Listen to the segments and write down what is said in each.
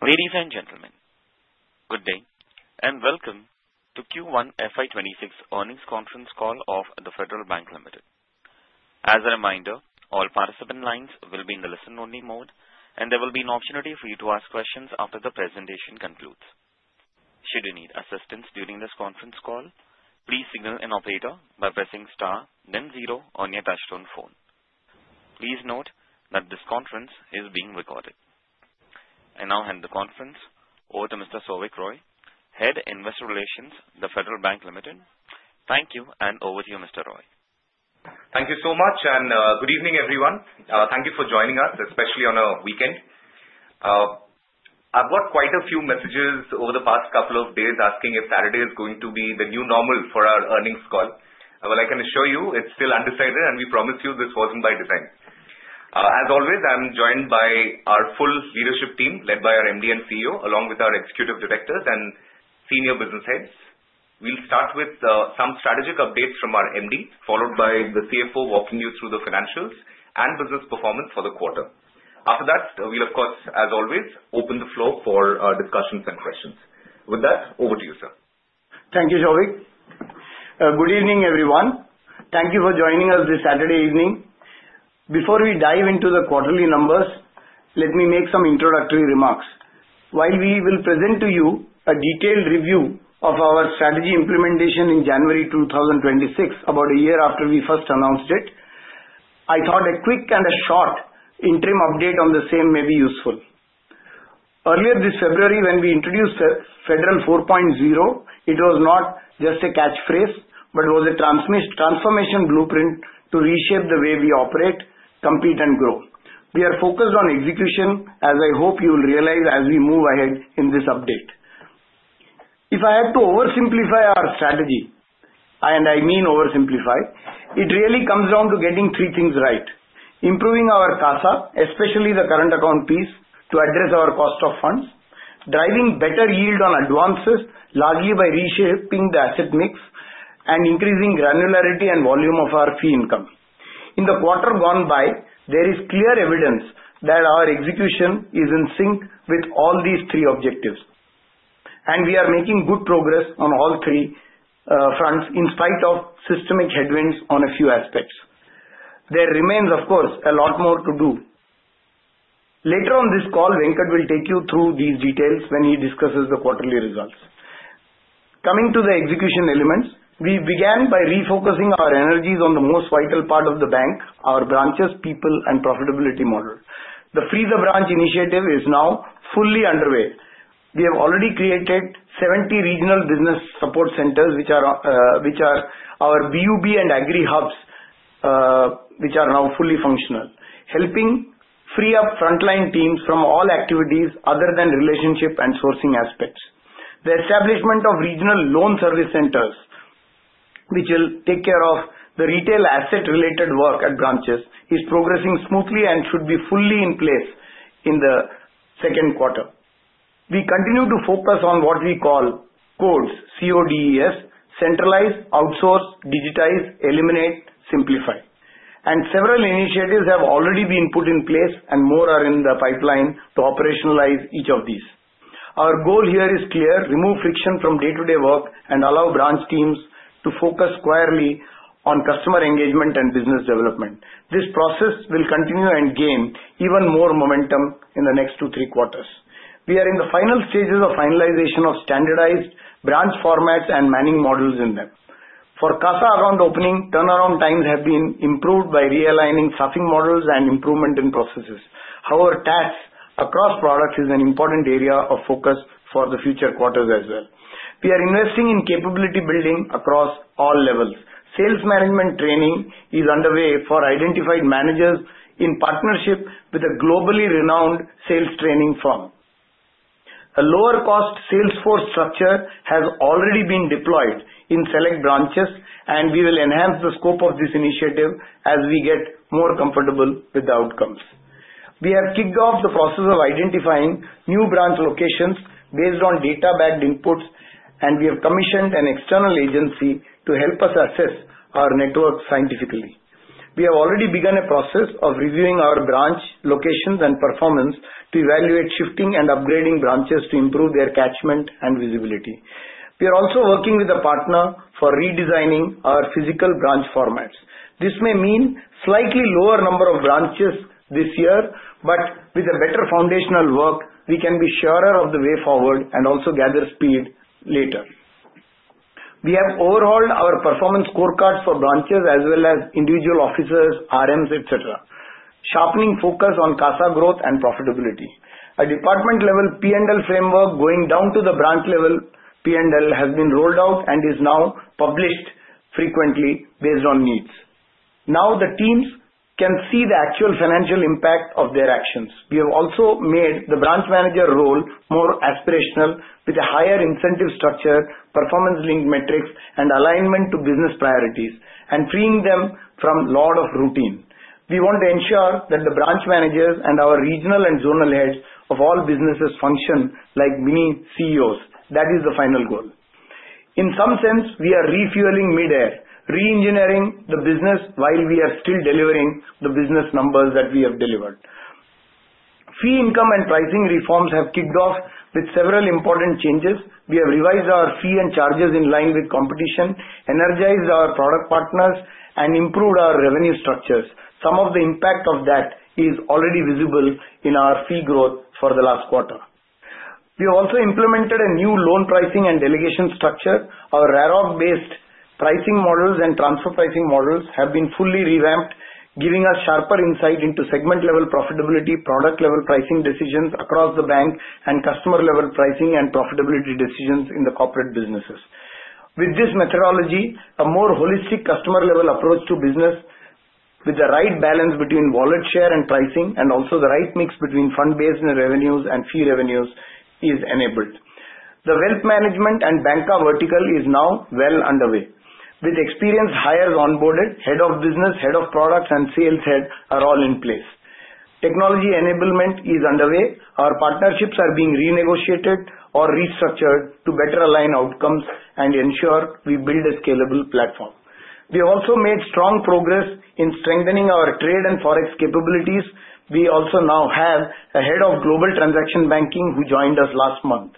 Ladies and gentlemen, good day and welcome to Q1FY26 Earnings Conference Call of Federal Bank Limited. As a reminder, all participant lines will be in the listen-only mode and there will be an opportunity for you to ask questions after the presentation concludes. Should you need assistance during this conference call, please signal an operator by pressing Star then zero on your touchtone phone. Please note that this conference is being recorded. I now hand the conference over to Mr. Sovik Roy, Head of Investor Relations, Federal Bank Limited. Thank you. Over to you, Mr. Roy. Thank you so much and good evening everyone. Thank you for joining us, especially on a weekend. I've got quite a few messages over the past couple of days asking if Saturday is going to be the new normal for our earnings call. I can assure you it's still undecided and we promise you this wasn't by design. As always, I'm joined by our full leadership team, led by our MD and CEO, along with our Executive Directors and senior business heads. We'll start with some strategic updates from our MD, followed by the CFO walking you through the financials and business performance for the quarter. After that, we'll, of course, as always, open the floor for discussions and questions. With that, over to you, sir. Thank you, Shubhankar. Good evening everyone. Thank you for joining us this Saturday evening. Before we dive into the quarterly numbers, let me make some introductory remarks. While we will present to you a detailed review of our strategy implementation in January 2026, about a year after we first announced it, I thought a quick and a short interim update on the same may be useful. Earlier this February, when we introduced Federal 4.0, it was not just a catchphrase, but was a transformation blueprint to reshape the way we operate, compete, and grow. We are focused on execution, as I hope you will realize as we move ahead in this update. If I had to oversimplify our strategy, and I mean oversimplify, it really comes down to getting three things right: improving our CASA, especially the current account piece to address our cost of funds, driving better yield on advances largely by reshaping the asset mix, and increasing granularity and volume of our fee income in the quarter gone by. There is clear evidence that our execution is in sync with all these three objectives, and we are making good progress on all three fronts in spite of systemic headwinds on a few aspects. There remains, of course, a lot more to do. Later on this call, Venkat will take you through these details when he discusses the quarterly results. Coming to the execution elements, we began by refocusing our energies on the most vital part of the bank, our branches, people, and profitability model. The Free the Branch initiative is now fully underway. We have already created 70 Regional Business Support Centers, which are our hub and Agri Hubs and which are now fully functional, helping free up frontline teams from all activities other than relationship and sourcing aspects. The establishment of Regional Loan Service Centers, which will take care of the retail asset related work at branches, is progressing smoothly and should be fully in place in the second quarter. We continue to focus on what we call CODES, centralize, outsource, digitize, eliminate, simplify, and several initiatives have already been put in place and more are in the pipeline to operationalize each of these. Our goal here is clear: remove friction from day-to-day work and allow branch teams to focus squarely on customer engagement and business development. This process will continue and gain even more momentum in the next two to three quarters. We are in the final stages of finalization of standardized branch formats and manning models in them for CASA around opening. Turnaround times have been improved by realigning staffing models and improvement in processes. However, TAT across products is an important area of focus for the future quarters as well. We are investing in capability building across all levels. Sales management training is underway for identified managers in partnership with a globally renowned sales training firm. A lower cost sales force structure has already been deployed in select branches and we will enhance the scope of this initiative as we get more comfortable with the outcomes. We have kicked off the process of identifying new branch locations based on data-backed inputs and we have commissioned an external agency to help us assess our network scientifically. We have already begun a process of reviewing our branch locations and performance to evaluate, shifting and upgrading branches to improve their catchment and visibility. We are also working with a partner for redesigning our physical branch formats. This may mean slightly lower number of branches this year, but with a better foundational work we can be surer of the way forward and also gather speed later. We have overhauled our performance scorecards for branches as well as individual officers, RMs, etc., sharpening focus on CASA growth and profitability. A department level P&L framework going down to the branch level P&L has been rolled out and is now published frequently based on needs. Now the teams can see the actual financial impact of their actions. We have also made the Branch Manager role more aspirational with a higher incentive structure, performance-linked metrics and alignment to business priorities and freeing them from lot of routine. We want to ensure that the Branch Managers and our Regional and Zonal Heads of all businesses function like mini CEOs. That is the final goal. In some sense we are refueling mid-air, re-engineering the business while we are still delivering the business numbers that we have delivered. Fee income and pricing reforms have kicked off with several important changes. We have revised our fee and charges in line with competition, energized our product partners and improved our revenue structures. Some of the impact of that is already visible in our fee growth. For the last quarter we also implemented a new loan pricing and delegation structure. Our Risk-Adjusted Pricing Models and transfer pricing models have been fully revamped, giving us sharper insight into segment level profitability, product level pricing decisions across the bank, and customer level pricing and profitability decisions in the corporate businesses. With this methodology, a more holistic customer level approach to business with the right balance between wallet share and pricing, and also the right mix between fund based revenues and fee revenues, is enabled. The wealth management and Bancassurance vertical is now well underway with experienced hires. Onboarded Head of Business, Head of Products, and Sales Head are all in place. Technology enablement is underway. Our partnerships are being renegotiated or restructured to better align outcomes and ensure we build a scalable platform. We also made strong progress in strengthening our trade and forex capabilities. We also now have a Head of Global Transaction Banking who joined us last month.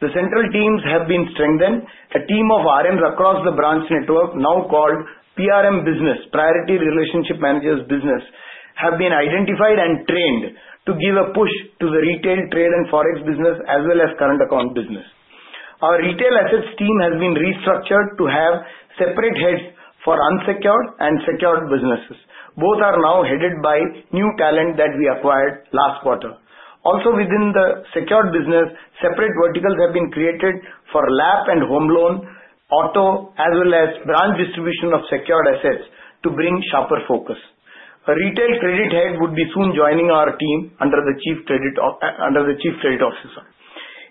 The central teams have been strengthened. A team of RMs across the branch network, now called PRM Business Priority Relationship Managers, have been identified and trained to give a push to the retail trade and forex business as well as current account business. Our retail assets team has been restructured to have separate heads for unsecured and secured businesses. Both are now headed by new talent that we acquired last quarter. Also, within the secured business, separate verticals have been created for LAP and home loan, auto, as well as brand distribution of secured assets. To bring sharper focus, a Retail Credit Head would be soon joining our team. Under the Chief Credit Officer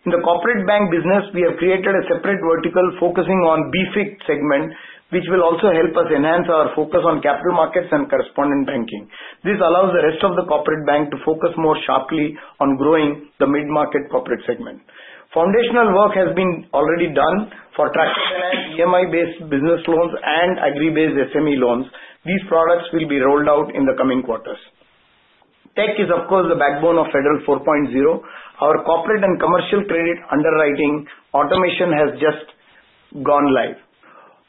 in the corporate bank business, we have created a separate vertical focusing on the BFIC segment, which will also help us enhance our focus on capital markets and correspondent banking. This allows the rest of the corporate bank to focus more sharply on growing the mid market corporate segment. Foundational work has been already done for tractor finance, EMI based business loans, and Agri based SME loans. These products will be rolled out in the coming quarters. Tech is, of course, the backbone of Federal 4.0. Our corporate and commercial credit underwriting automation has just gone live.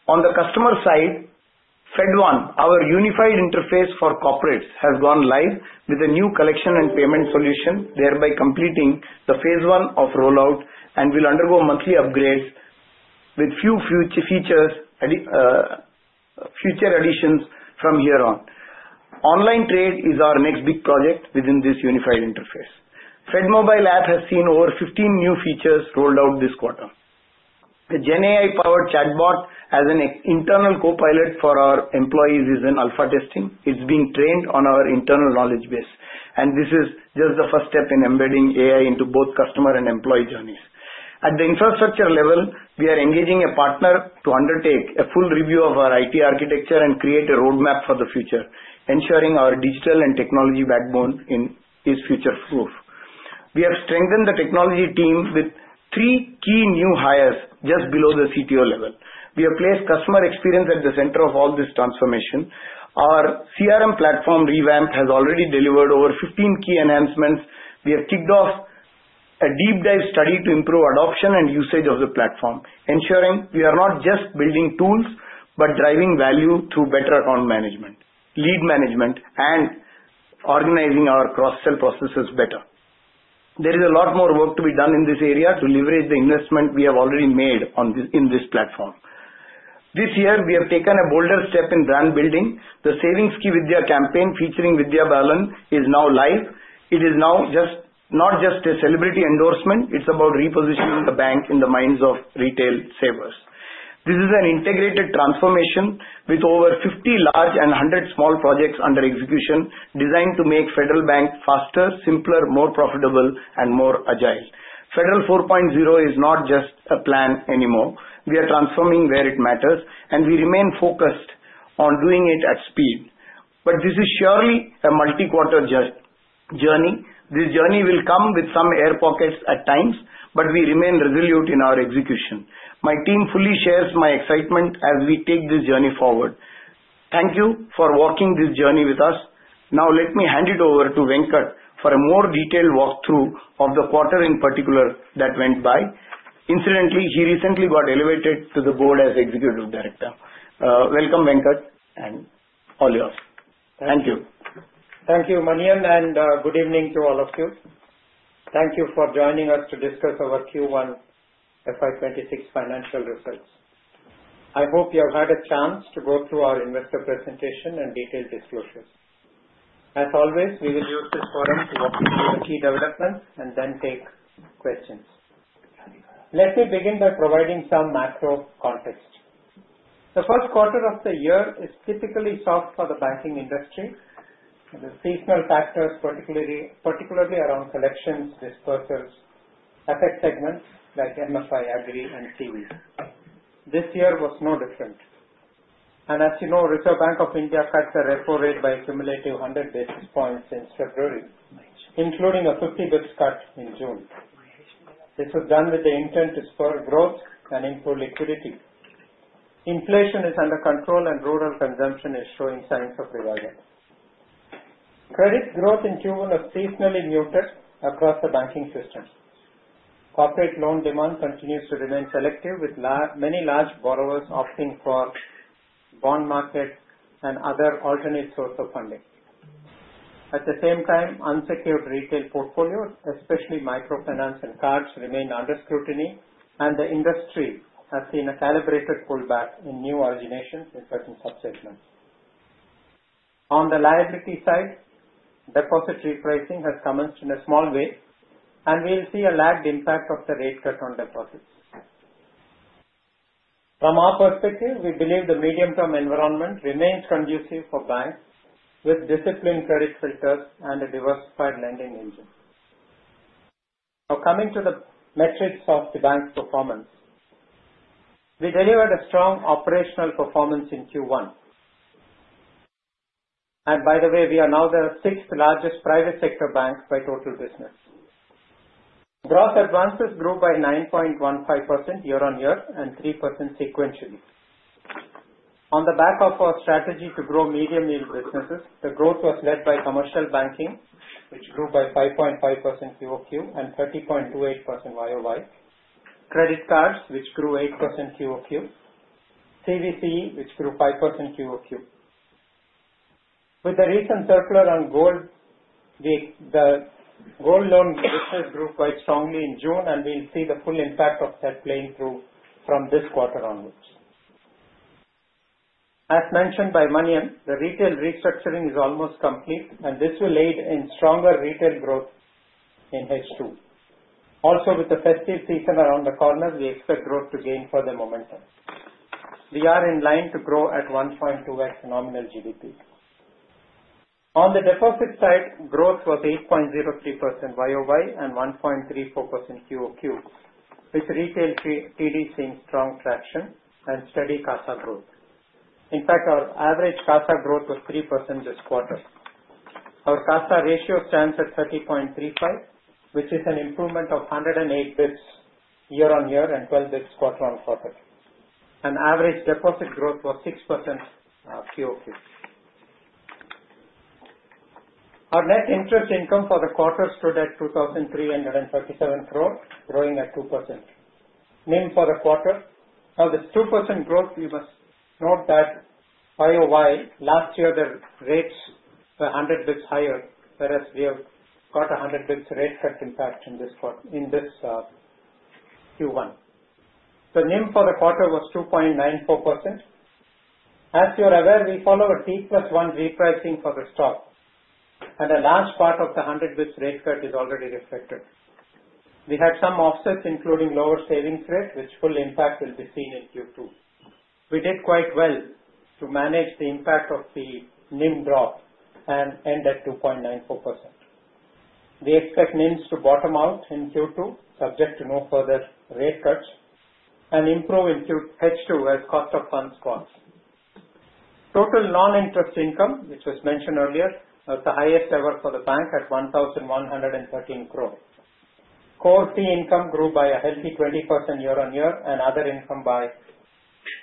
On the customer side, FedOne, our unified interface for corporates, has gone live with a new collection and payment solution, thereby completing the phase one of rollout and will undergo monthly upgrades with future additions from here on. Online trade is our next big project within this unified interface. Fed Mobile app has seen over 15 new features rolled out this quarter. The GenAI-powered chatbot as an internal copilot for our employees is in alpha testing. It's been trained on our internal knowledge base and this is just the first step in embedding AI into both customer and employee journeys. At the infrastructure level, we are engaging a partner to undertake a full review of our IT architecture and create a roadmap for the future, ensuring our digital and technology backbone is future proof. We have strengthened the technology team with three key new hires just below the CTO level. We have placed customer experience at the center of all this transformation. Our CRM platform revamp has already delivered over 15 key enhancements. We have kicked off a deep dive study to improve adoption and usage of the platform, ensuring we are not just building tools but driving value through better on management, lead management, and organizing our cross sell processes better. There is a lot more work to be done in this area to leverage the investment we have already made in this platform. This year we have taken a bolder step in brand building. The Savings Ki Vidya campaign featuring Vidya Balan is now live. It is now not just a celebrity endorsement, it's about repositioning the bank in the minds of retail savers. This is an integrated transformation with over 50 large and 100 small projects under execution designed to make Federal Bank faster, simpler, more profitable, and more agile. Federal 4.0 is not just a plan anymore. We are transforming where it matters and we remain focused on doing it at speed. This is surely a multi-quarter journey. This journey will come with some air pockets at times, but we remain resolute in our execution. My team fully shares my excitement as we take this journey forward. Thank you for walking this journey with us. Now let me hand it over to Venkat for a more detailed walkthrough of the quarter in particular that went by. Incidentally, he recently got elevated to the board as Executive Director. Welcome Venkat and all yours. Thank you. Thank you Shaji V. Kallarakal and good evening to all of you. Thank you for joining us to discuss our Q1 FY26 financial results. I hope you have had a chance to go through our investor presentation and detailed disclosure. As always, we will use this forum to walk you through the key developments and then take questions. Let me begin by providing some macro context. The first quarter of the year is typically soft for the banking industry. The seasonal factors, particularly around collections, dispersals, FX segments like MFI Agri, and CV. This year was no different, and as you know, Reserve Bank of India cut the repo rate by a cumulative 100 bps since February, including a 50 bps cut in June. This was done with the intent to spur growth and improve liquidity. Inflation is under control and rural consumption is showing signs of revival. Credit growth in June has seasonally muted across the banking system. Corporate loan demand continues to remain selective, with many large borrowers opting for bond market and other alternate source of funding. At the same time, unsecured retail portfolios, especially microfinance and cards, remain under scrutiny and the industry has seen a calibrated pullback in new originations in certain sub-segments. On the liability side, deposit repricing has commenced in a small way and we will see a lagged impact of the rate cut on deposit. From our perspective, we believe the medium-term environment remains conducive for banks with disciplined credit filters and a diversified lending engine. Now coming to the metrics of the bank's performance, we delivered a strong operational performance in Q1 and by the way, we are now the sixth largest private sector bank by total business. Gross advances grew by 9.15% year on year and 3% sequentially. On the back of our strategy to grow medium-yield businesses, the growth was led by commercial banking, which grew by 5.5% QoQ and 30.28% YoY, credit cards which grew 8% QoQ, CVC which grew 5% QoQ. With the recent circular on gold, the gold loan business grew quite strongly in June and we'll see the full impact of that playing through from this quarter onwards. As mentioned by Shaji V. Kallarakal, the retail restructuring is almost complete and this will aid in stronger retail growth in H2. Also, with the festive season around the corner, we expect growth to gain further momentum. We are in line to grow at 1.2x nominal GDP. On the deposit side, growth was 8.03% YoY and 1.34% QoQ with retail TD seeing strong traction and steady CASA growth. In fact, our average CASA growth was 3% this quarter. Our CASA ratio stands at 30.35%, which is an improvement of 108 bps year-on-year and 12 bps quarter on quarter. An average deposit growth was 6% QoQ. Our net interest income for the quarter stood at 2,337 crore, growing at 2%. NIM for the quarter. Now, this 2% growth, you must note that YoY last year the rates were 100 bps higher, whereas we have got 100 bps rate cut impact in this Q1. The NIM for the quarter was 2.94%. As you are aware, we follow a T+1 repricing for the stock, and a large part of the 100 bps rate cut is already reflected. We had some offsets, including lower savings rate, which full impact will be seen in Q2. We did quite well to manage the impact of the NIM drop and end at 2.94%. We expect NIMs to bottom out in Q2 subject to no further rate cuts and improve in H2 as cost of funds falls. Total non-interest income, which was mentioned earlier, was the highest level for the bank at 1,113 crore. Core fee income grew by a healthy 20% year-on-year and other income by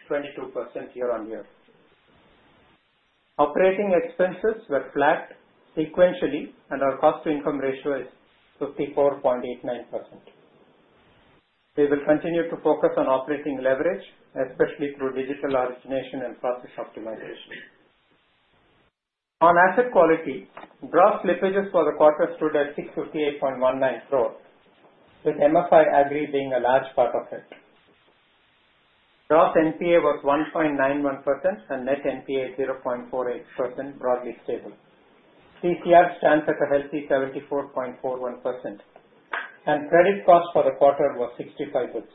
22% year-on-year. Operating expenses were flat sequentially, and our cost to income ratio is 54.89%. We will continue to focus on operating leverage, especially through digital origination and process optimization. On asset quality, gross slippages for the quarter stood at 658.19 crore, with MFI Agri being a large part of it. Gross NPA was 1.91% and net NPA 0.48%. Broadly stable, CCR stands at a healthy 74.41%, and credit cost for the quarter was 65 bps.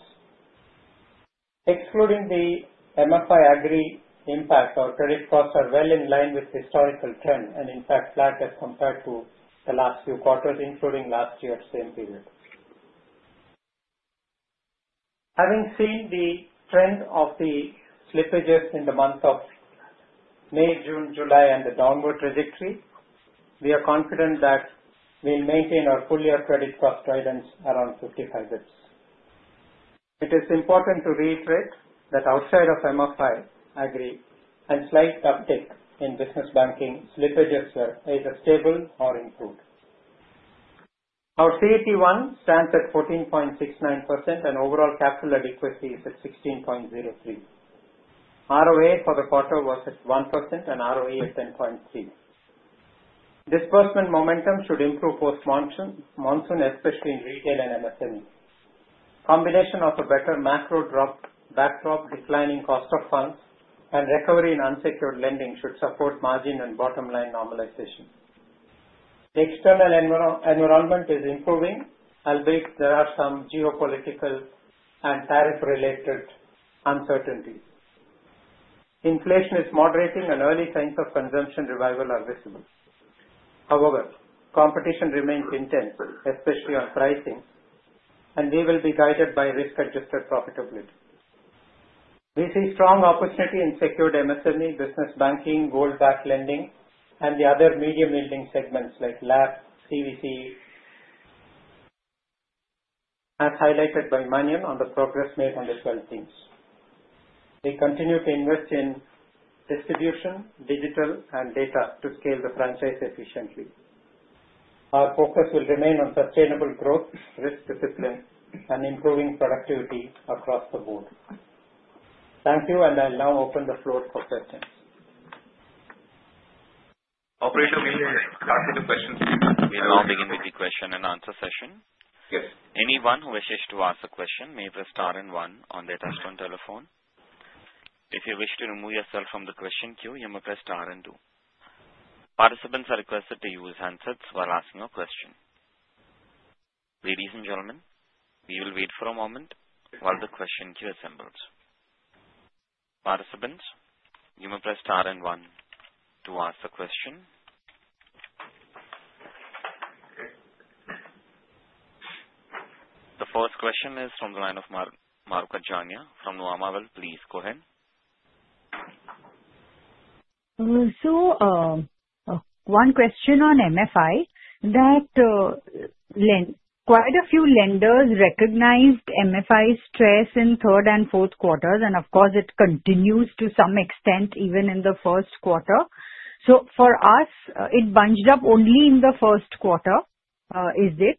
Excluding the MFI Agri impact, our credit costs are well in line with historical trend and in fact flat as compared to the last few quarters, including last year same period. Having seen the trend of the slippages in the month of May, June, July and the downward trajectory, we are confident that we'll maintain our full year credit cost guidance around 55 bps. It is important to reiterate that outside of MFI Agri and slight uptick in business banking, slippages are either stable or improved. Our CET1 stands at 14.69% and overall capital adequacy is at 16.03%. ROA for the quarter was at 1% and ROE at 10.3%. Disbursement momentum should improve post monsoon, especially in retail and MSME. Combination of a better macro backdrop, declining cost of funds, and recovery in unsecured lending should support margin and bottom line normalization. The external environment is improving, albeit there are some geopolitical and tariff-related uncertainties. Inflation is moderating, and early signs of consumption revival are visible. However, competition remains intense, especially on pricing, and they will be guided by risk-adjusted profitability. We see strong opportunity in secured MSME, Business Banking, Gold Backed Lending, and the other medium lending segments like LAP, CVC. As highlighted by many on the progress made on the 12 teams, we continue to invest in distribution, digital, and data to scale the franchise efficiently. Our focus will remain on sustainable growth, risk discipline, and improving productivity across the board. Thank you, and I'll now open the floor for questions. Operator, we will start with the questions. We will now begin with the question and answer session. Anyone who wishes to ask a question may press star and one on their touchtone telephone. If you wish to remove yourself from the question queue, you may press star and two. Participants are requested to use handsets while asking a question. Ladies and gentlemen, we will wait for a moment while the question queue assembles. Participants, you may press star and one to ask the question. The first question is from the line of Mahrukh Adajania from Nuvama. Please go ahead. question on microfinance (MFI) is that quite a few lenders recognized MFI stress in the third and fourth quarters, and it continues to some extent even in the first quarter. For us, it bunched up only in the first quarter, is it?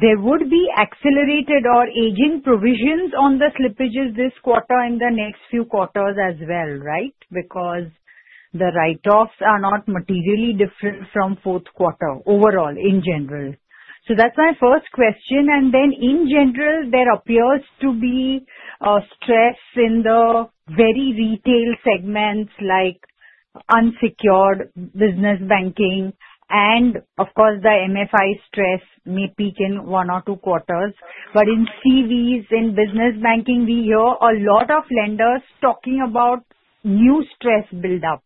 There would be accelerated or aging provisions on the slippages this quarter and in the next few quarters as well, right? The write-offs are not materially different from the fourth quarter overall in general. That's my first question. In general, there appears to be stress in the very retail segments like unsecured business banking. The MFI stress may peak in one or two quarters, but in commercial vehicles (CVs) and business banking, we hear a lot of lenders talking about new stress buildup.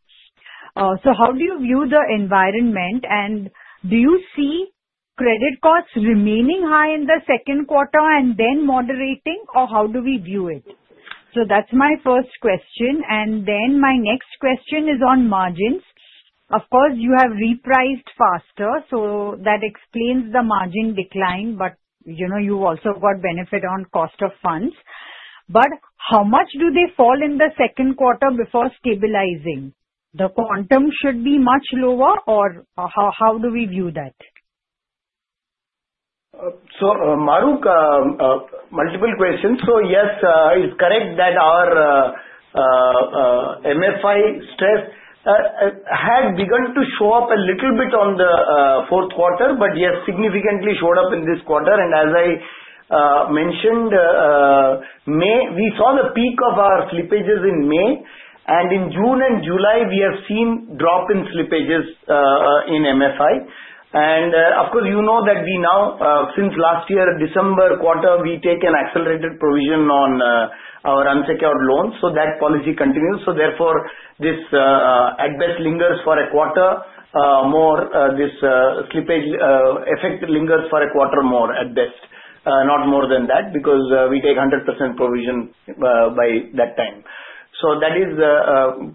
How do you view the environment, and do you see credit costs remaining high in the second quarter and then moderating, or how do we view it? That's my first question. My next question is on margins. You have repriced faster, so that explains the margin decline. You also got benefit on cost of funds. How much do they fall in the second quarter before stabilizing? The quantum should be much lower, or how do we view that? Mahrukh, multiple questions. Yes, it's correct that our microfinance (MFI) stress had begun to show up a little bit in the fourth quarter, but significantly showed up in this quarter. As I mentioned, in May we saw the peak of our slippages, and in June and July we have seen a drop in slippages in MFI. Of course, you know that since last year December quarter, we take an accelerated provision on our unsecured loans, so that policy continues. Therefore, this at best lingers for a quarter more. This slippage effect lingers for a quarter more at best, not more than that, because we take 100% provision by that time. That is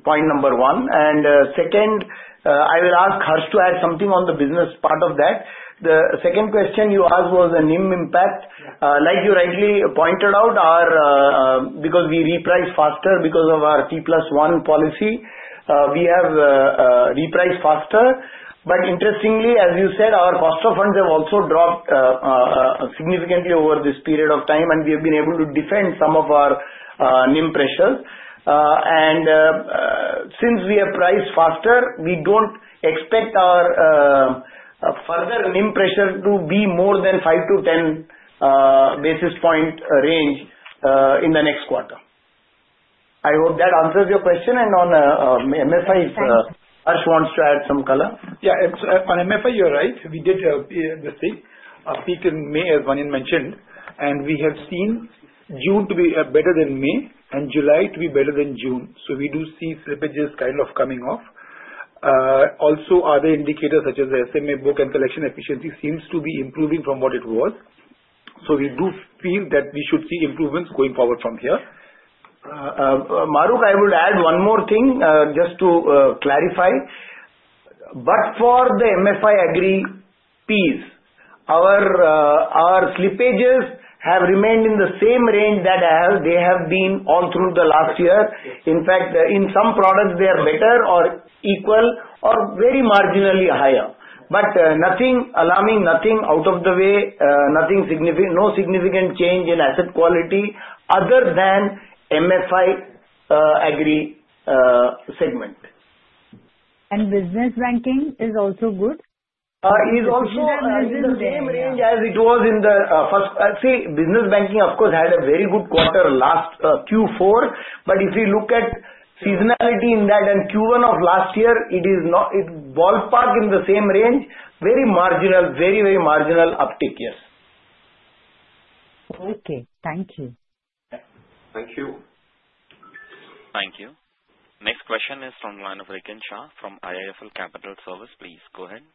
point number one. I will ask Harsh to add something on the business part of that. The second question you asked was the NIM impact. Like you rightly pointed out, because we reprice faster because of our T1 policy, we have repriced faster. Interestingly, as you said, our cost of funds have also dropped significantly over this period of time, and we have been able to defend some of our NIM pressures. Since we have priced faster, we don't expect our further NIM pressure to be more than 5 to 10 basis point range in the next quarter. I hope that answers your question. On MFI, Ash wants to add some color. Yeah, on microfinance (MFI) you're right we did. Peak in May as Venkatraman Venkateswaran mentioned, and we have seen June to be better than May and July to be better than June. We do see slippages kind of coming off. Also, other indicators such as the SMA book and collection efficiency seem to be improving from what it was. We do feel that we should see improvements going forward from here. Mahrukh, I would add one more thing just to clarify, but for the microfinance (MFI) Agri segment, our slippages have remained in the same range that they have been all through the last year. In fact, in some products they are better or equal or very marginally higher, but nothing alarming, nothing out of the way, nothing significant, no significant change in asset quality other than the MFI Agri segment. Business banking is also good. Also, as it was in the first, business banking of course had a very good quarter last Q4, but if you look at seasonality in that and Q1 of last year, it is not ballpark in the same range. Very marginal, very, very marginal uptick. Yes. Thank you, thank you, thank you. Next question is from the line of Rikin Shah from IIFL Securities. Please go ahead.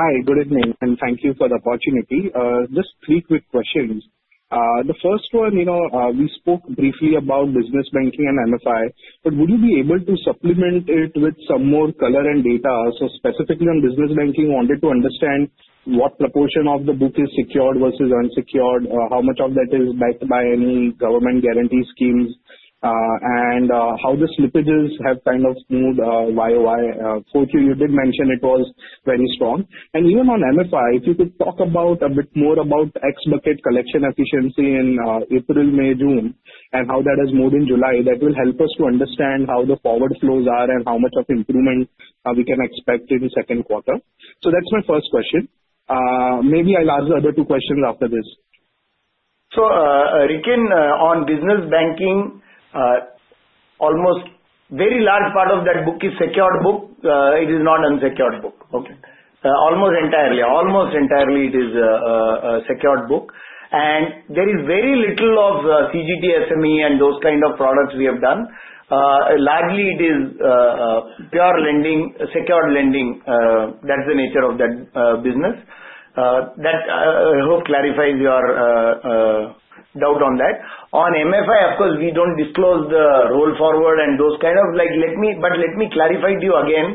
Hi, good evening and thank you for the opportunity. Just three quick questions. The first one, you know we spoke briefly about business banking and MFI, but would you be able to supplement it with some more color and data? Specifically on business banking, wanted to understand what proportion of the book is secured versus unsecured, how much of that is backed by any government guarantee schemes, and how the slippages have kind of moved year-over-year for Q. You did mention it was very strong, and even on MFI, if you could talk a bit more about X bucket collection efficiency in April, May, June, and how that has moved in July, that will help us to understand how the forward flows are and how much of improvement we can expect in the second quarter. That's my first question. Maybe I'll ask the other two questions after this. Rikin, on business banking, almost a very large part of that book is a secured book. It is not an unsecured book. Almost entirely, it is a secured book and there is very little of CGT, SME and those kinds of products we have done. Largely, it is pure lending, secured lending. That's the nature of that business. I hope that clarifies your doubt on that. On MFI, of course, we don't disclose the roll forward and those kinds of things, but let me clarify to you again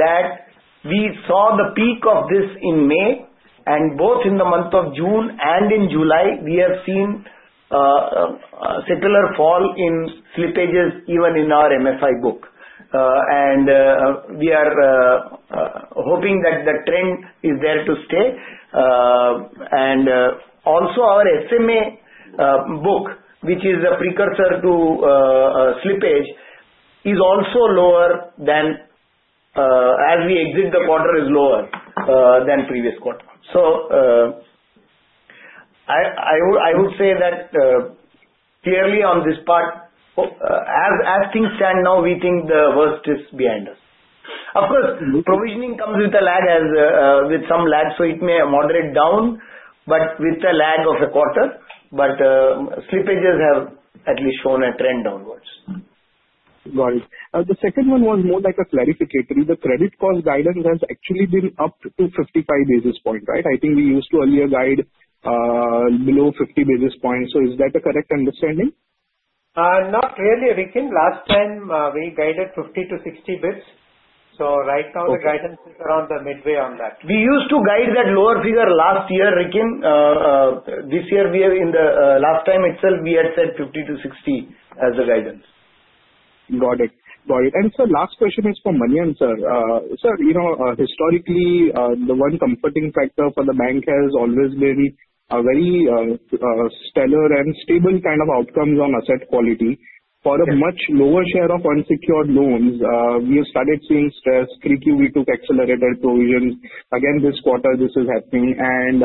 that we saw the peak of this in May. In both the month of June and in July, we have seen a secular fall in slippages, even in our MFI book, and we are hoping that the trend is there to stay. Also, our SMA book, which is a precursor to slippage, is lower as we exit the quarter and is lower than the previous quarter. So. I would say that clearly on this part, as things stand now, we think the worst is behind us. Of course, provisioning comes with a lag, with some lag. It may moderate down but with a lag of a quarter. Slippages have at least shown a trend downwards. Got it. The second one was more like a clarificatory. The credit cost guidance has actually been up to 55 bps, right? I think we used to earlier guide below 50 bps. Is that a correct understanding? Not really, Rikin. Last time we guided 50 to 60 bps. Right now the guidance is around the midway on that. We used to guide that lower figure last year, Rikin. This year, in the last time itself, we had said 50 to 60 as the guidance. Got it. Got it. Sir, last question is for Shaji V. Kallarakal. Sir, historically the one comforting factor for the bank has always been a very stellar and stable kind of outcomes on asset quality for a much lower share of unsecured loans. We have started seeing stress. In 3Q we took accelerated provisions again this quarter. This is happening and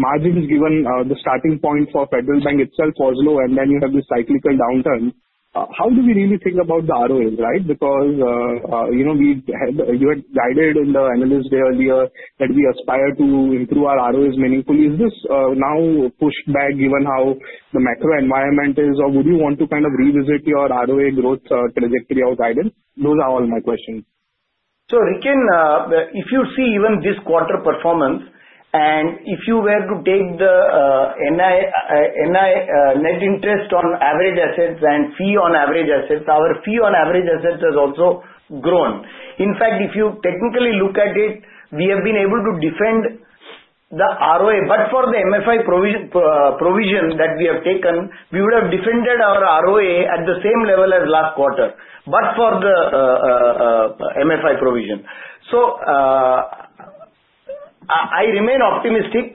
margins given the starting point for Federal Bank itself was low. You have the cyclical downturn. How do we really think about the ROAs? Right, because you had guided in the analyst day earlier that we aspire to improve our ROAs meaningfully. Is this now pushed back? The macro environment is or would you want to kind of revisit your ROA growth trajectory outside in? Those are all my quetions. Rikin, if you see even this quarter performance and if you were to take the net interest on average assets and fee on average assets, our fee on average assets has also grown. In fact, if you technically look at it, we have been able to defend the ROA, but for the microfinance (MFI) provision that we have taken, we would have defended our ROA at the same level as last quarter but for the MFI provision. I remain optimistic.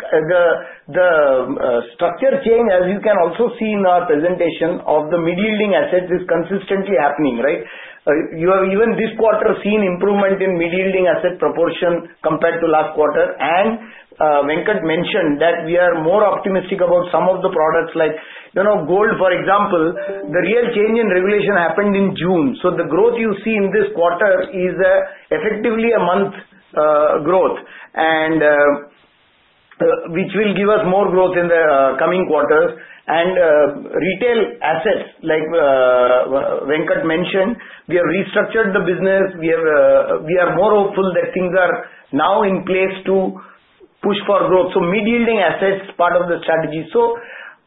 The structure change, as you can also see in our presentation of the mid-yielding assets, is consistently happening, right? You have even this quarter seen improvement in mid-yielding asset proportion compared to last quarter. Venkat mentioned that we are more optimistic about some of the products like gold, for example. The real change in regulation happened in June. The growth you see in this quarter is effectively a month growth, which will give us more growth in the coming quarters, and retail assets, like Venkat mentioned, we have restructured the business. We are more hopeful that things are now in place to push for growth. Mid-yielding assets are part of the strategy.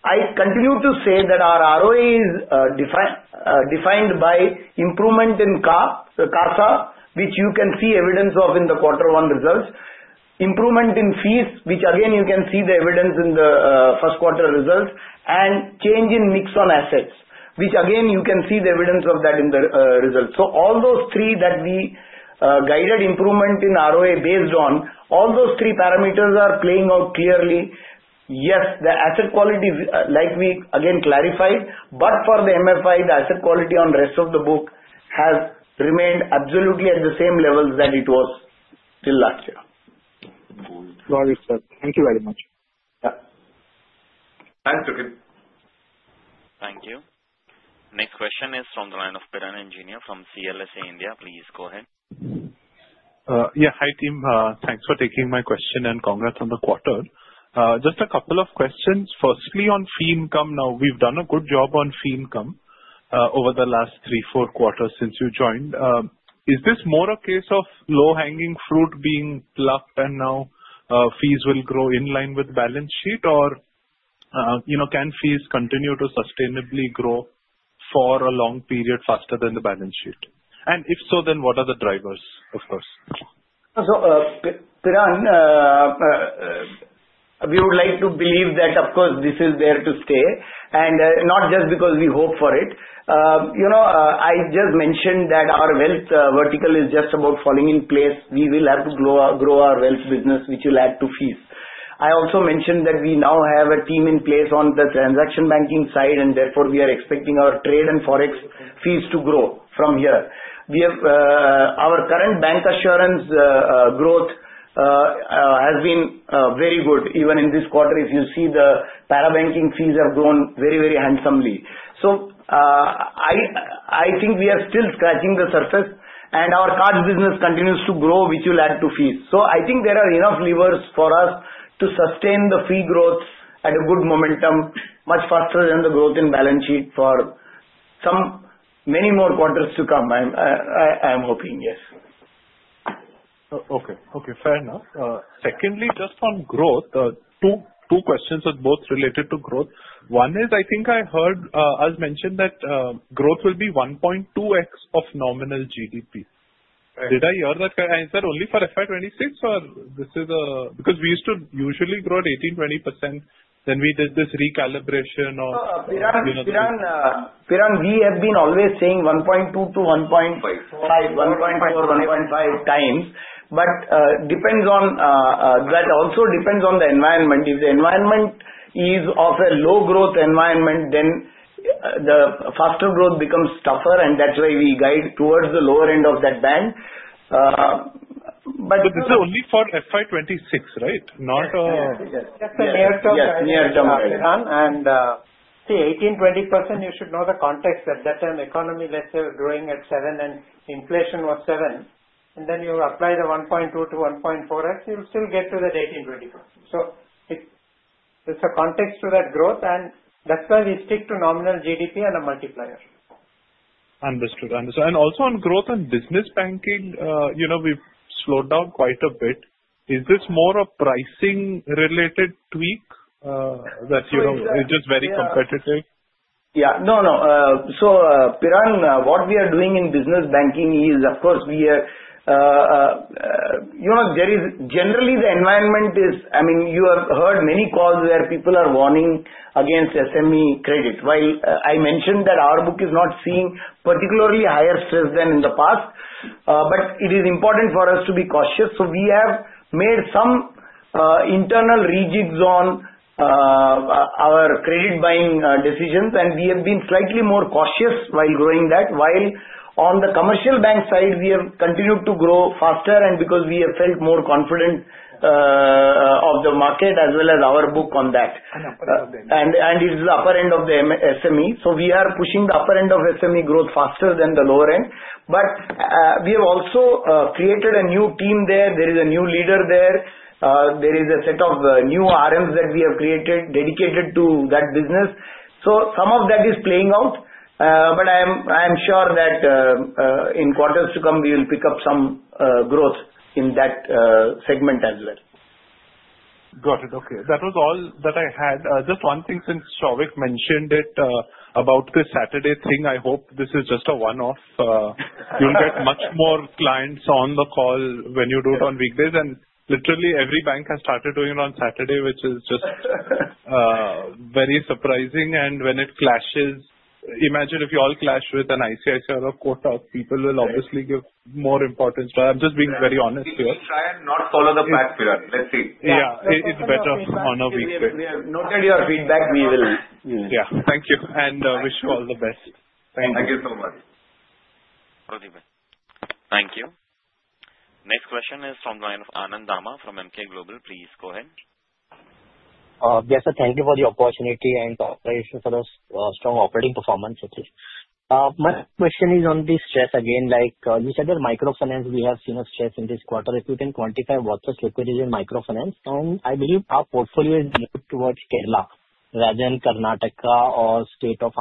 I continue to say that our ROA is defined by improvement in CASA, which you can see evidence of in the quarter one results, improvement in fees, which again you can see the evidence in the first quarter results, and change in mix on assets, which again you can see the evidence of that in the results. All those three that we guided, improvement in ROA based on all those three parameters, are playing out clearly. Yes, the asset quality, like we again clarified. But for the MFI, the asset quality on rest of the book has remained absolutely at the same levels that it was till last year. Thank you very much. Thanks Rikin. Thank you. Next question is from the line of Piran Engineer from CLSA India. Please go ahead. Yeah. Hi team, thanks for taking my question and congrats on the quarter. Just a couple of questions. Firstly on fee income. Now we've done a good job on fee income over the last three, four quarters since you joined. Is this more a case of low hanging fruit being plucked and now fees will grow in line with balance sheet or can fees continue to sustainably grow for a long period faster than the balance sheet? If so, then what are the drivers? Of course, Piran, we would like to believe that of course this is there to stay and not just because we hope for it. I just mentioned that our wealth vertical is just about falling in place. We will have to grow our wealth business which will add to fees. I also mentioned that we now have a team in place on the transaction banking side and therefore we are expecting our trade and forex fees to grow from here. Our current bancassurance growth has been very good even in this quarter. If you see the parabanking fees have grown very, very handsomely. I think we are still scratching the surface and our card business continues to grow which will add to fees. I think there are enough levers for us to sustain the fee growth at a good momentum much faster than the growth in balance sheet. For many more quarters to come I am hoping. Yes. Okay, fair enough. Secondly, just on growth, two questions are both related to growth. One is I think I heard us mention that growth will be 1.2x of nominal GDP. Did I hear that? Is that only for FY2026? Because we used to usually grow at 18-20% then we did this recalibration. We have been always saying 1.2 to 1.5, 1.4, 1.5 times. It depends on that. It also depends on the environment. If the environment is of a low growth environment, then the faster growth becomes tougher, and that's why we guide towards the lower end of that band. This is only for FY26, right. You should know the context. At that time, economy let's say was growing at 7% and inflation was 7%. You apply the 1.2 to 1.4x, you'll still get to that 18 to 20%. It's a context to that growth, and that's why we stick to nominal GDP and a multiplier. Understood. Also, on growth and business banking, you know we've slowed down quite a bit. Is this more a pricing related tweak that, you know, it's just very competitive? No, no. Piran, what we are doing in business banking is, of course, we are, you know, there is generally the environment is, I mean, you have heard many calls where people are warning against SME credit. While I mentioned that our book is not seeing particularly higher stress than in the past, it is important for us to be cautious. We have made some internal rejigs on our credit buying decisions, and we have been slightly more cautious while growing that. While on the commercial bank side, we have continued to grow faster because we have felt more confident of the market as well as our book on that, and it is the upper end of the SME. We are pushing the upper end of SME growth faster than the lower end. We have also created a new team there, there is a new leader there, there is a set of new RM that we have created dedicated to that business. Some of that is playing out. I am sure that in quarters to come we will pick up some growth in that segment as well. Got it. Okay. That was all that I had. Just one thing since Sovik mentioned it about this Saturday thing. I hope this is just a one off. You'll get much more clients on the call when you do it on weekdays. Literally every bank has started doing it on Saturday, which is just very surprising. When it clashes, imagine if you all clash with an ICICI or Kotak. People will obviously give more importance. I'm just being very honest here. Try not to follow the path. Let's see. Yeah, it's better on a week. We have noted your feedback. We will, yeah. Thank you, and wish you all the best. Thank you. Thank you so much. Thank you. Next question is from line of Anand Dama from Emkay Global. Please go ahead. Yes sir. Thank you for the opportunity and for the strong operating performance. My question is on the stress again. Like you said, microfinance, we have seen a stress in this quarter. If you can quantify what the liquidity is in microfinance, I believe our portfolio is towards Kerala rather than Karnataka or the state of,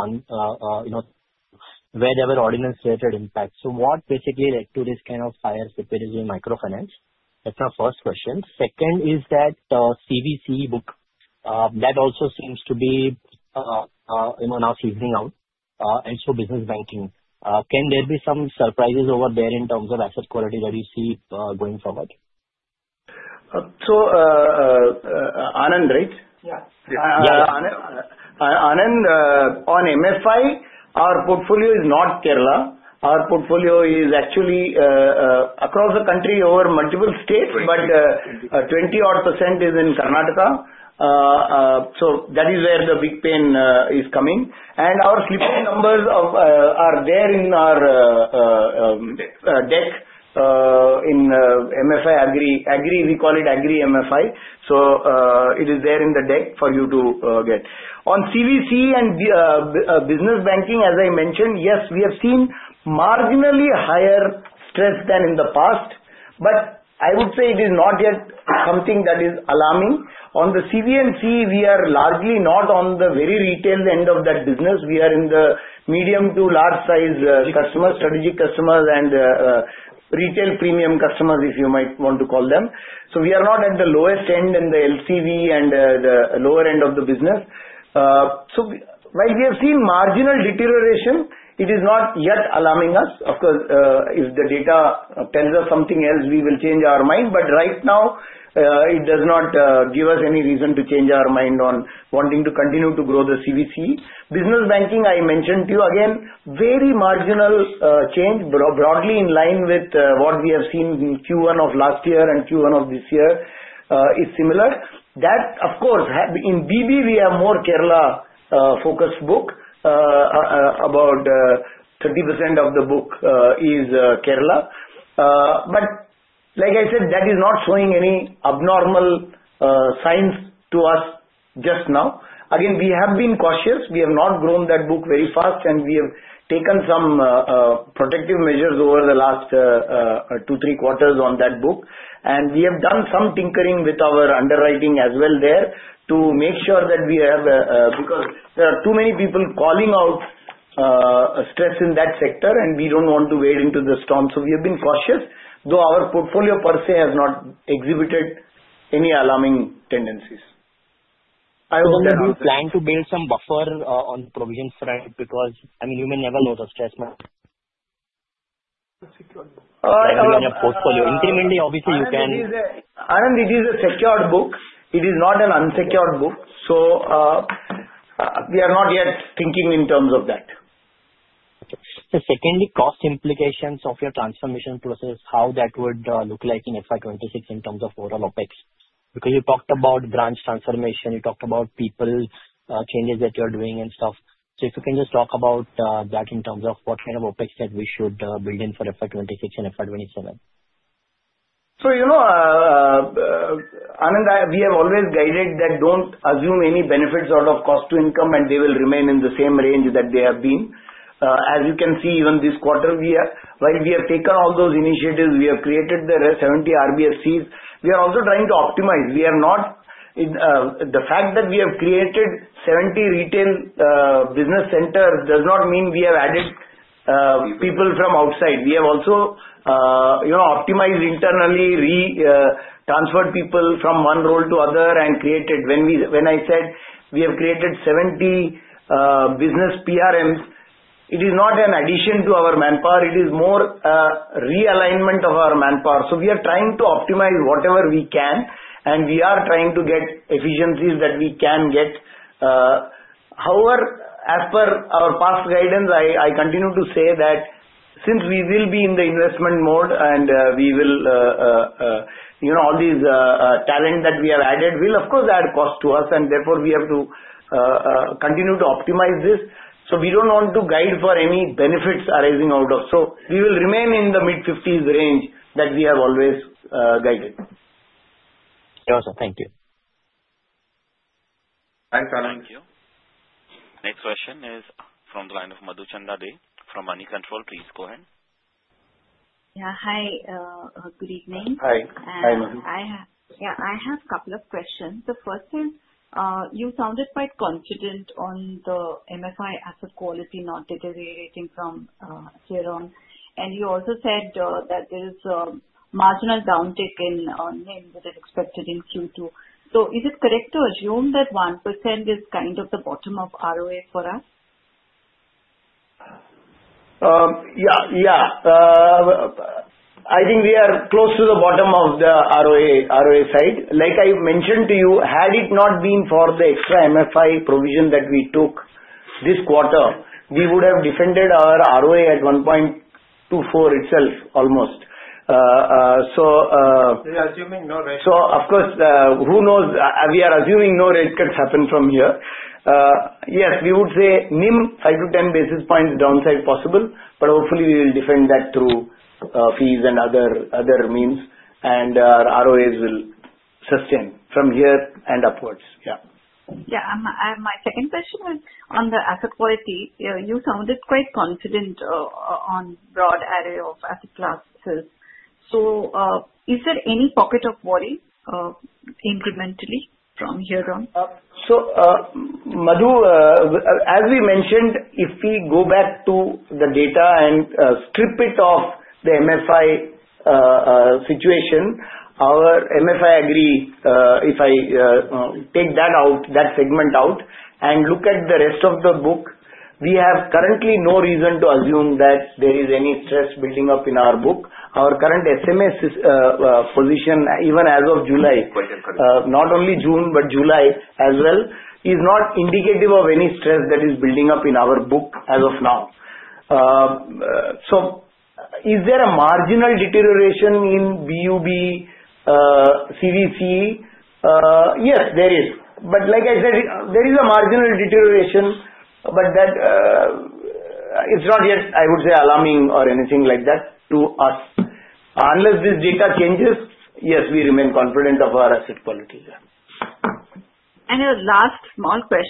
you know, wherever ordinance related impact. What basically led to this kind of higher stress in microfinance? That's my first question. Second is that CBC book, that also seems to be now seasoning out. And business banking, can there be some surprises over there in terms of asset quality that you see going forward? Anand, right? Yeah. Anand, on microfinance (MFI), our portfolio is not Kerala. Our portfolio is actually across the country over multiple states, but 20% is in Karnataka. That is where the big pain is coming, and our slipping numbers are there in our deck in MFI Agri. We call it Agri MFI, so it is there in the deck for you to get on. CV and business banking, as I mentioned, yes, we have seen marginally higher stress than in the past. I would say it is not yet something that is alarming on the CV and C. We are largely not on the very retail end of that business. We are in the medium to large size customers, strategic customers, and retail premium customers if you might want to call them. We are not at the lowest end in the LCV and the lower end of the business. While we have seen marginal deterioration, it is not yet alarming us. Of course, if the data tells us something else, we will change our mind. Right now, it does not give us any reason to change our mind on wanting to continue to grow the CV and C business. Banking, I mentioned to you again, very marginal change, broadly in line with what we have seen in Q1 of last year, and Q1 of this year is similar. Of course, in business banking, we have more Kerala-focused book. About 30% of the book is Kerala, but like I said, that is not showing any abnormal signs to us just now. We have been cautious. We have not grown that book very fast, and we have taken some protective measures over the last two or three quarters on that book, and we have done some tinkering with our underwriting as well to make sure that we have, because there are too many people calling out stress in that sector, and we don't want to wade into the storm. We have been cautious, though our portfolio per se has not exhibited any alarming tendencies. I wonder, do you plan to build? Some buffer on provision front? Because I mean you may never lose a stress mark portfolio incrementally. Obviously you can, Anand. It is a secured book, it is not an unsecured book. We are not yet thinking in terms of that. Secondly, cost implications of your transformation process, how that would look like in FY26 in terms of overall OpEx. You talked about branch transformation, you talked about people changes that you're doing and stuff. If you can just talk about that in terms of what kind of OpEx that we should build in for FY26 and FY27. Anand, we have always guided that don't assume any benefits out of cost to income and they will remain in the same range that they have been. As you can see, even this quarter while we have taken all those initiatives, we have created the 70 retail business centers. We are also trying to optimize. The fact that we have created 70 retail business centers does not mean we have added people from outside. We have also optimized internally, retransferred people from one role to another and created. When I said we have created 70 business PRMs, it is not an addition to our manpower, it is more realignment of our manpower. We are trying to optimize whatever we can and we are trying to get efficiencies that we can get. However, as per our past guidance, I continue to say that since we will be in the investment mode, all these talent that we have added will of course add cost to us and therefore we have to continue to optimize this. We don't want to guide for any benefits arising out of this. We will remain in the mid-50% range that we have always guided. Thank you. Thanks Anand. Thank you. Next question is from the line of Madhuchanda Dey from Moneycontrol. Please go ahead. Hi, good evening. Hi Madhu. I have a couple of questions. The first is you sounded quite confident on the microfinance (MFI) asset quality not deteriorating from here on. You also said that there is a marginal downtick in NIM that is expected in Q2. Is it correct to assume that 1% is kind of the bottom of ROA for us? Yeah, I think we are close to the bottom of the ROA side. Like I mentioned to you, had it not been for the extra MFI provision that we took this quarter, we would have defended our ROA at 1.4 itself almost. Of course, who knows. We are assuming no rate cuts happen from here. Yes, we would say NIM 5 to 10 basis points downside possible, but hopefully we will defend that through fees and other means, and ROAs will sustain from here and upwards. My second question is on the asset quality. You sounded quite confident on broad array of asset classes. Is there any pocket of worry incrementally from here on? As we mentioned, if we go back to the data and strip it off the microfinance (MFI) situation, our MFI Agri, if I take that out, that segment out and look at the rest of the book, we have currently no reason to assume that there is any stress building up in our book. Our current SMA position even as of July, not only June but July as well, is not indicative of any stress that is building up in our book as of now. Is there a marginal deterioration in bubble CVC? Yes, there is. Like I said, there is a marginal deterioration, but it's not yet, I would say, alarming or anything like that to us. Unless this data changes, we remain confident of our asset quality.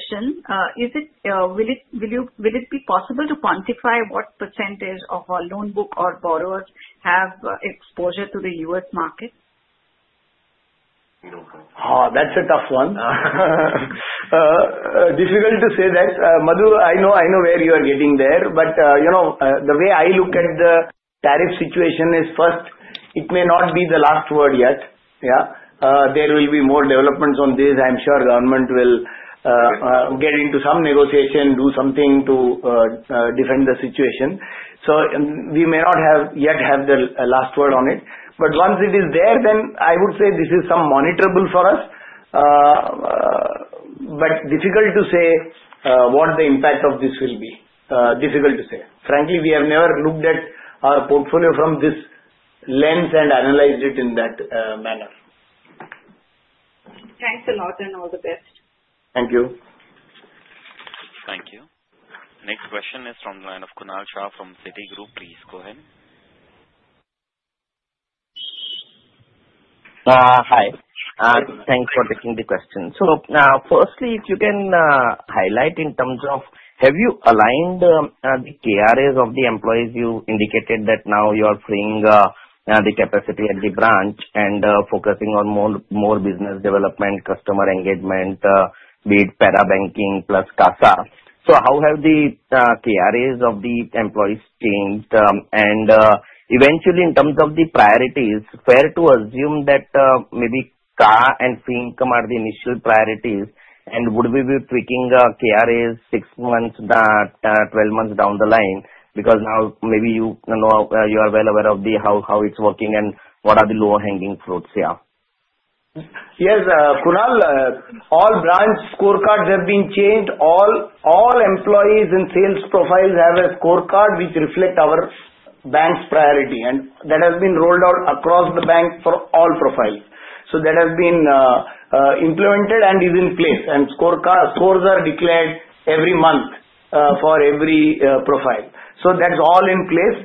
Will it be possible to quantify what % of our loan book or borrowers have exposure to the U.S. market? That's a tough one. Difficult to say that, Madhu. I know, I know where you are getting there. The way I look at the tariff situation is, first, it may not be the last word yet. There will be more developments on this. I'm sure government will get into some negotiation, do something to defend the situation. We may not yet have the last word on it, but once it is there, then I would say this is some monitorable for us. Difficult to say what the impact of this will be. Difficult to say. Frankly, we have never looked at our portfolio from this lens and analyzed it in that manner. Thanks a lot, and all the best. Thank you. Thank you. Next question is from Kunal Shah from Citigroup. Please go ahead. Hi. Thanks for taking the question. Firstly, if you can highlight in terms of have you aligned the KRAs of the employees. You indicated that now you are freeing the capacity at the branch and focusing on more business development, customer engagement, be it parabanking plus CASA. How have the KRAs of the employees changed? Eventually, in terms of the priorities, fair to assume that maybe CASA and fee income are the initial priorities. Would we be tweaking KRAs 6 months, 12 months down the line because now maybe, you know, you are well aware of how it's working and what are the lower hanging fruits here? Yes, Kunal, all branch scorecards have been changed. All employees in sales profiles have a scorecard which reflect our bank's priority. That has been rolled out across the bank for all profiles. That has been implemented and is in place, and scores are declared every month for every profile. That's all in place.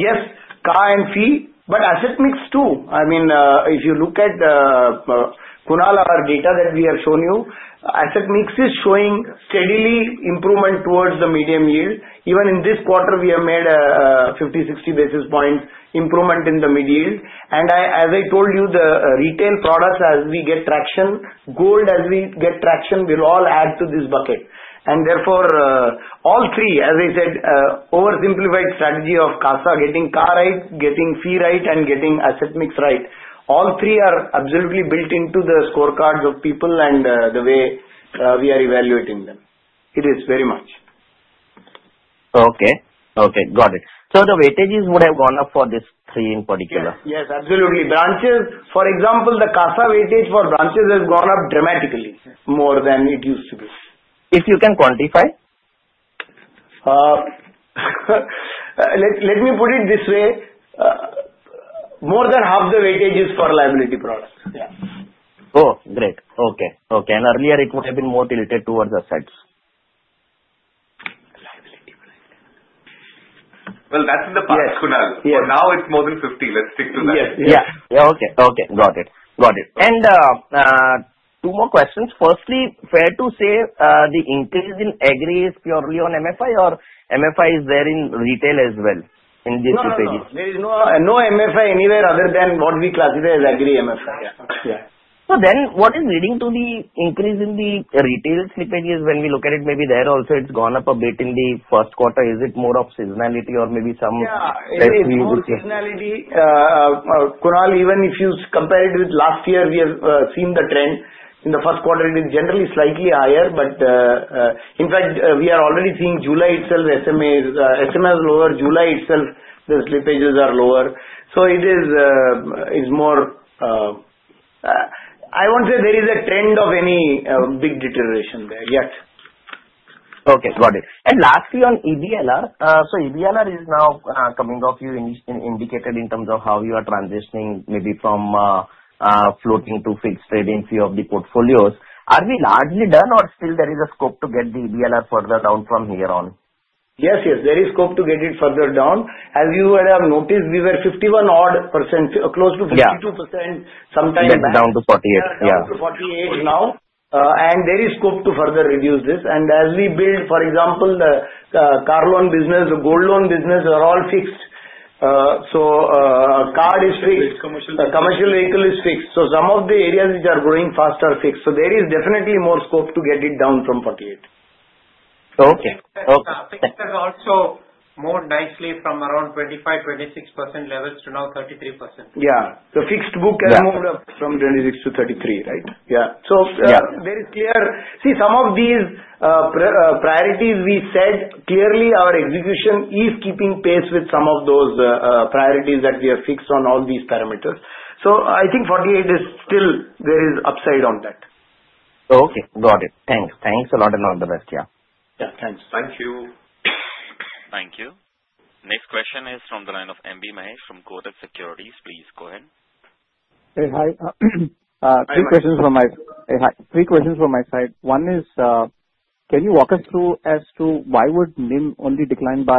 Yes, CASA and fee, but asset mix too. If you look at the Kunal, our data that we have shown you, asset mix is showing steady improvement towards the mid-yield. Even in this quarter, we have made 50, 60 basis points improvement in the mid-yield. As I told you, the retail products as we get traction, gold as we get traction, will all add to this bucket. Therefore, all three, as I said, oversimplified strategy of CASA, getting CASA right, getting fee right, and getting asset mix right, all three are absolutely built into the scorecards of people. The way we are evaluating them, it is very much. Okay, got it. The weightages would have gone up for these three in particular. Yes, absolutely. Branches, for example, the CASA weightage for branches has gone up dramatically, more than it used to be. If you can quantify. Let me put it this way, more than half the weightage is for liability products. Yeah. Oh, great. Okay. Okay. Earlier it would have been more tilted towards assets. That's in the past. Now it's more than 50. Let's stick to that. Yes. Yeah. Okay, got it. Two more questions. Firstly, fair to say the increase in Agri is purely on MFI or MFI is there in retail as well. In this, there is no microfinance (MFI) anywhere other than what we classify as Agri segment MFI. What is leading to the increase in the retail slippage is when we look at it, maybe there also it's gone up a bit in the first quarter. Is it more of seasonality or maybe some. Kunal, even if you compare it with last year, we have seen the trend in the first quarter. It is generally slightly higher. In fact, we are already seeing July itself. SMA is lower, July itself, the slippages are lower. It is more. I won't say there is a trend of any big deterioration there yet. Okay, got it. Lastly, on EBLR. EBLR is now coming off. You indicated in terms of how you are transitioning maybe from floating to fixed, trading few of the portfolios. Are we largely done or still is there a scope to get the EBLR further down from here on? Yes, yes there is scope to get it further down. As you would have noticed we were 51% odd, close to 52%, sometimes down to 48%. Forty-eight now. There is scope to further reduce this. As we build, for example, the car loan business, the gold loan business are all fixed. Card is fixed, commercial vehicle is fixed. Some of the areas which are growing faster are fixed. There is definitely more scope to get it down from 48%. Okay. Also, more nicely from around 25-26% levels to now 33%. Yeah. The fixed book has moved up from 26 to 33, right? Yeah. There is clear, see, some of these priorities we said, clearly our execution is keeping pace with some of those priorities that we have seen fixed on all these parameters. I think 48 is still, there is upside on that. Okay, got it. Thanks. Thanks a lot. All the rest, yeah. Yeah, thanks. Thank you. Thank you. Next question is from the line of MB Mahesh from Kotak Securities. Please go ahead. Three questions from my side. One is, can you walk us through as to why would NIM only decline by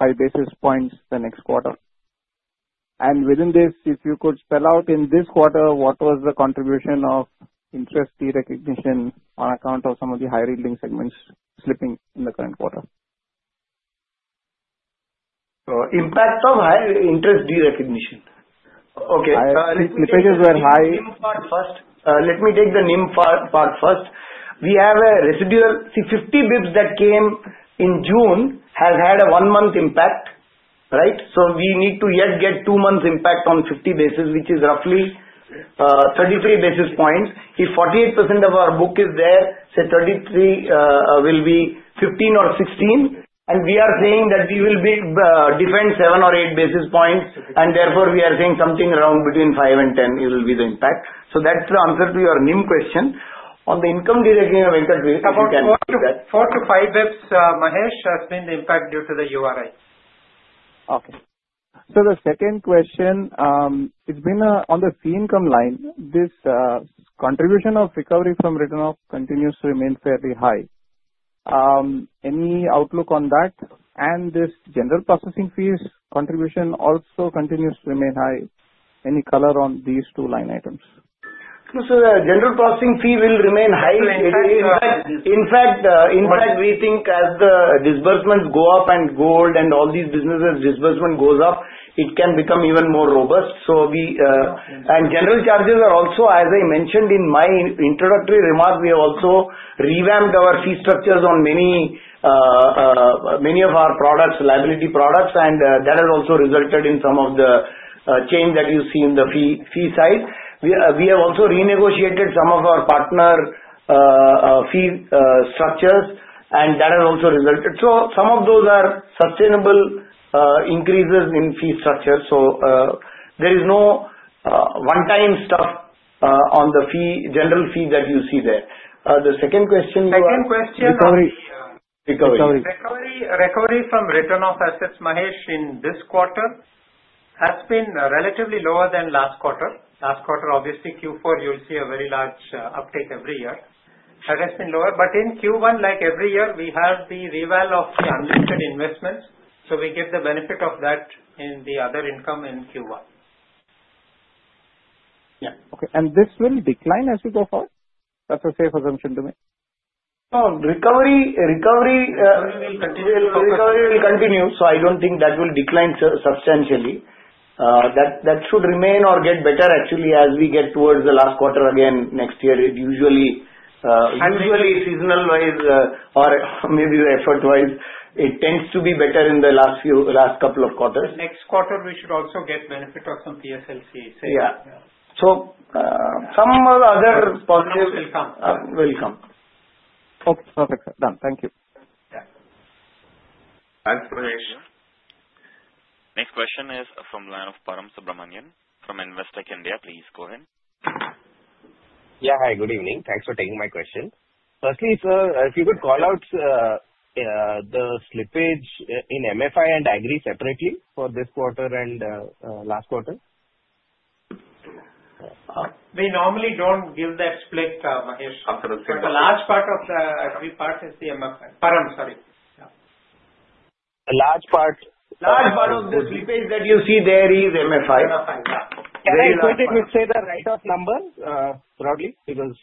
5 bps the next quarter? Within this, if you could spell out in this quarter what was the contribution of interest derecognition on account of some of the high-yielding segments slipping in the current quarter. Impact of high interest derecognition. Okay, let me take the NIM part first. We have a residual, see, 50 bps that came in June has had a one month impact. Right. We need to yet get two months impact on 50 basis, which is roughly 33 basis points. If 48% of our book is there, say 33 will be 15 or 16, and we are saying that we will defend seven or eight basis points. Therefore, we are saying something around between 5 and 10 will be the impact. That's the answer to your NIM question on the income gate. Again, about that 4 to 5 bps, Mahesh. Has been the impact due to the RBI. Okay. The second question is on the fee income line. This contribution of recovery from written off continues to remain fairly high. Any outlook on that? This general processing fees contribution also continues to remain high. Any color on these two line items? General processing fee will remain high. In fact, we think as the disbursements go up and gold and all these businesses disbursement goes up, it can become even more robust. General charges are also, as I mentioned in my introductory remark, we also revamped our fee structures on many of our products, liability products. That has also resulted in some of the change that you see in the fee side. We have also renegotiated some of our partner fee structures and that has also resulted. Some of those are sustainable increases in fee structure. There is no one-time stuff on the general fee that you see there. The second question, second question. Recovery. Recovery from return of assets, Mahesh, in this quarter has been relatively lower than last quarter. Last quarter, obviously Q4, you will see a very large uptake. Every year that has been lower. In Q1, like every year, we have the reval of the unlimited investments. We get the benefit of that in the other income in Q1. This will decline as you go forward. That's a safe assumption to make. Recovery will continue. I don't think that will decline substantially. That should remain or get better actually as we get towards the last quarter again next year. Usually, seasonal wise or maybe the effort wise, it tends to be better in the last few last couple of quarters. Next quarter we should also get benefit of some. Yeah, some other positives will come. Okay, perfect. Done. Thank you. Thanks. Next question is from the line of Param Subramanian from Investec India. Please go ahead. Yeah. Hi, good evening. Thanks for taking my question. Firstly, sir, if you could call out. The slippage in microfinance (MFI) and Agri segment separately. For this quarter and last quarter. They normally don't give that split, Mahesh. A large part of the three part is the MFI param. A large part of. age that you see there is microfinance (MFI). Can I say the write-off number proudly? Because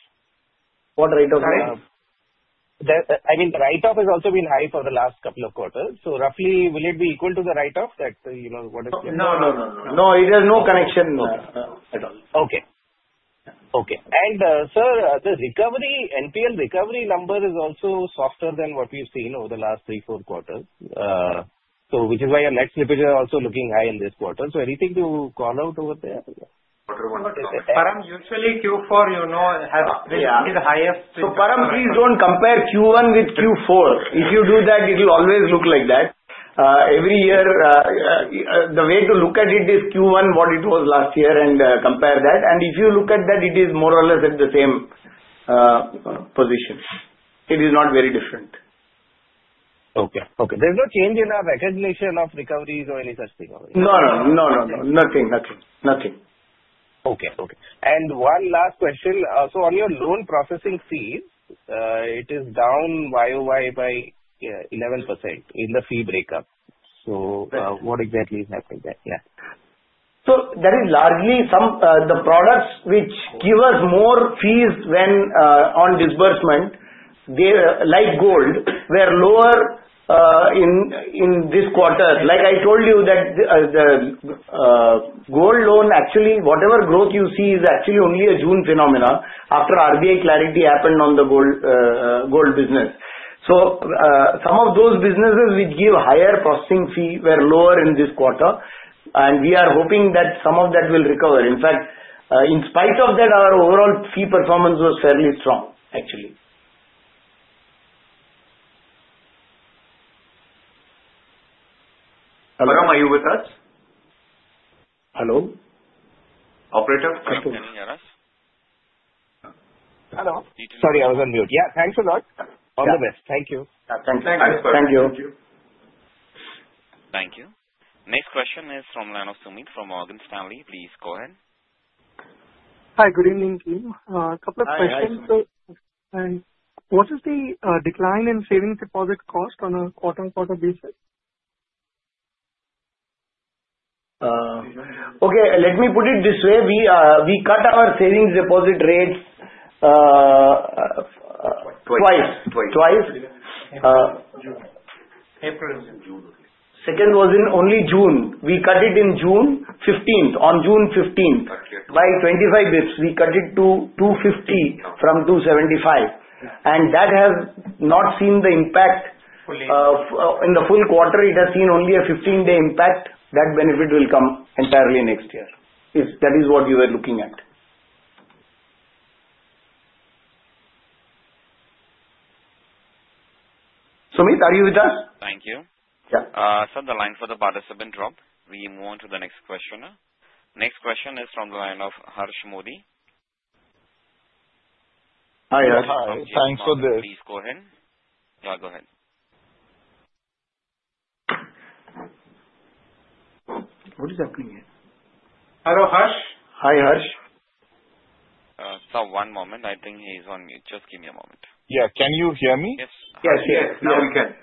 what write-off. I mean, the write-off has also been high for the last couple of quarters. Will it be equal to the write off that you know what is? No, no, no. It has no connection. Okay. Okay. Sir, the recovery NPL recovery number is also softer than what we've seen. Over the last three, four quarters, which is why your next slippage is also looking high in this quarter. there anything to call out over there? Usually Q4, you know, have. Please don't compare Q1 with Q4. If you do that, it will always look like this. Every year the way to look at it is Q1, what it was last year, and compare that, and if you look at that, it is more. Or less at the same position. It is not very different. Okay. Okay. There's no change in our recognition of recoveries or any such thing? Nothing, nothing, nothing. Okay. Okay. One last question. On your loan processing fees, it. Is down year-over-year by 11% in the fee breakup. What exactly is happening there? Yeah, that is largely some. The products which give us more fees when on disbursement, like gold, were lower in this quarter. Like I told you, the gold loan, actually whatever growth you see, is actually only a June phenomenon after Reserve Bank of India clarity happened on the gold business. Some of those businesses which give higher processing fee were lower in this quarter. We are hoping that some of that will recover. In fact, in spite of that, our overall fee performance was fairly strong actually. Varun, are you with us? Hello, operator? Hello. Sorry, I was on mute. Yeah, thanks a lot. All the best. Thank you. Thank you. Thank you. Thank you. Next question is from Sumeet Kariwala from Morgan Stanley. Please go ahead. Hi, good evening team. A couple of questions. What is the decline in savings deposit? Cost on a quarter on quarter basis? Okay, let me put it this way. We cut our savings deposit rate twice. Second was in only June. We cut it in June 15th, on June 15th, by 25 bps. We cut it to 2.50% from 2.75%. That has not seen the impact in the full quarter. It has seen only a 15-day impact. That benefit will come entirely next year if that is what you were looking at. Sumeet, are you with us? Thank you. Sir, the line for the participant dropped. We move on to the next question. Next question is from the line of Harsh Modi. Hi Harsh. Thanks for this. Please go ahead. Go ahead. What is happening here? Hello, Harsh. Hi Harsh. Sir, one moment. I think he's on mute. Just give me a moment. Yeah, can you hear me? Yes. Yes, now we can.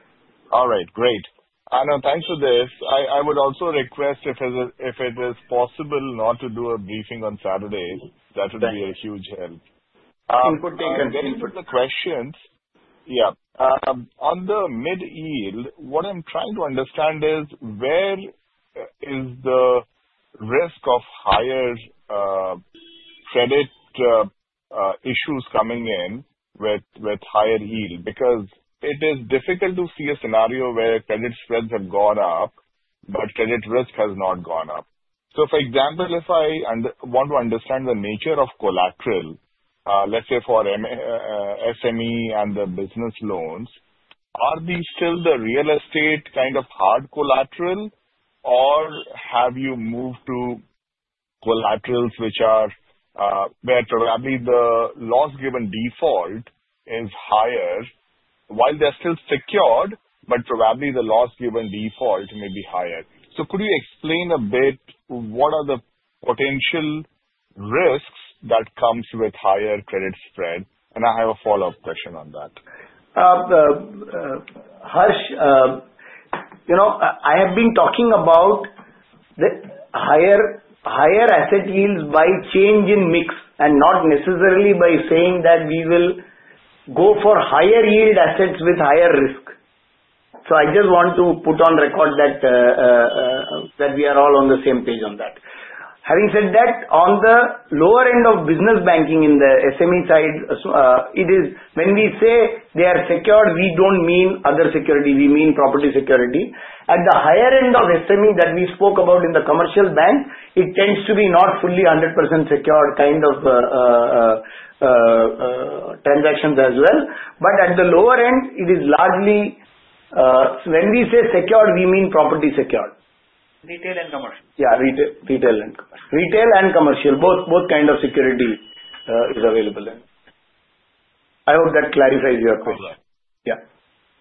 All right, great. Thanks for this. I would also request if it is possible not to do a briefing on Saturday, that would be a huge help on the mid-yield. What I'm trying to understand is where is the risk of higher credit issues coming in with higher yield? It is difficult to see a scenario where credit spreads have gone up but credit risk has not gone up. For example, if I want to understand the nature of collateral, let's say for SME and the business loans, are these still the real estate kind of hard collateral or have you moved to collaterals which are where probably the loss given default is higher while they're still secured, but probably the loss given default may be higher. Could you explain a bit what are the potential risks that comes with higher credit spread? I have a follow up question on that. I have been talking about the higher asset yields by change in mix and not necessarily by saying that we will go for higher yield assets with higher risk. I just want to put on record that we are all on the same page on that. Having said that, on the lower end of business banking in the SME side, when we say they are secured, we do not mean other security, we mean property security. At the higher end of SME that we spoke about in the commercial bank, it tends to be not fully 100% secure kind of transactions as well. At the lower end, it is largely when we say secured, we mean property secured. Retail and commercial? Yeah, retail and commercial. Retail and commercial. Both. Both kinds of security are available. I hope that clarifies your question. Yeah,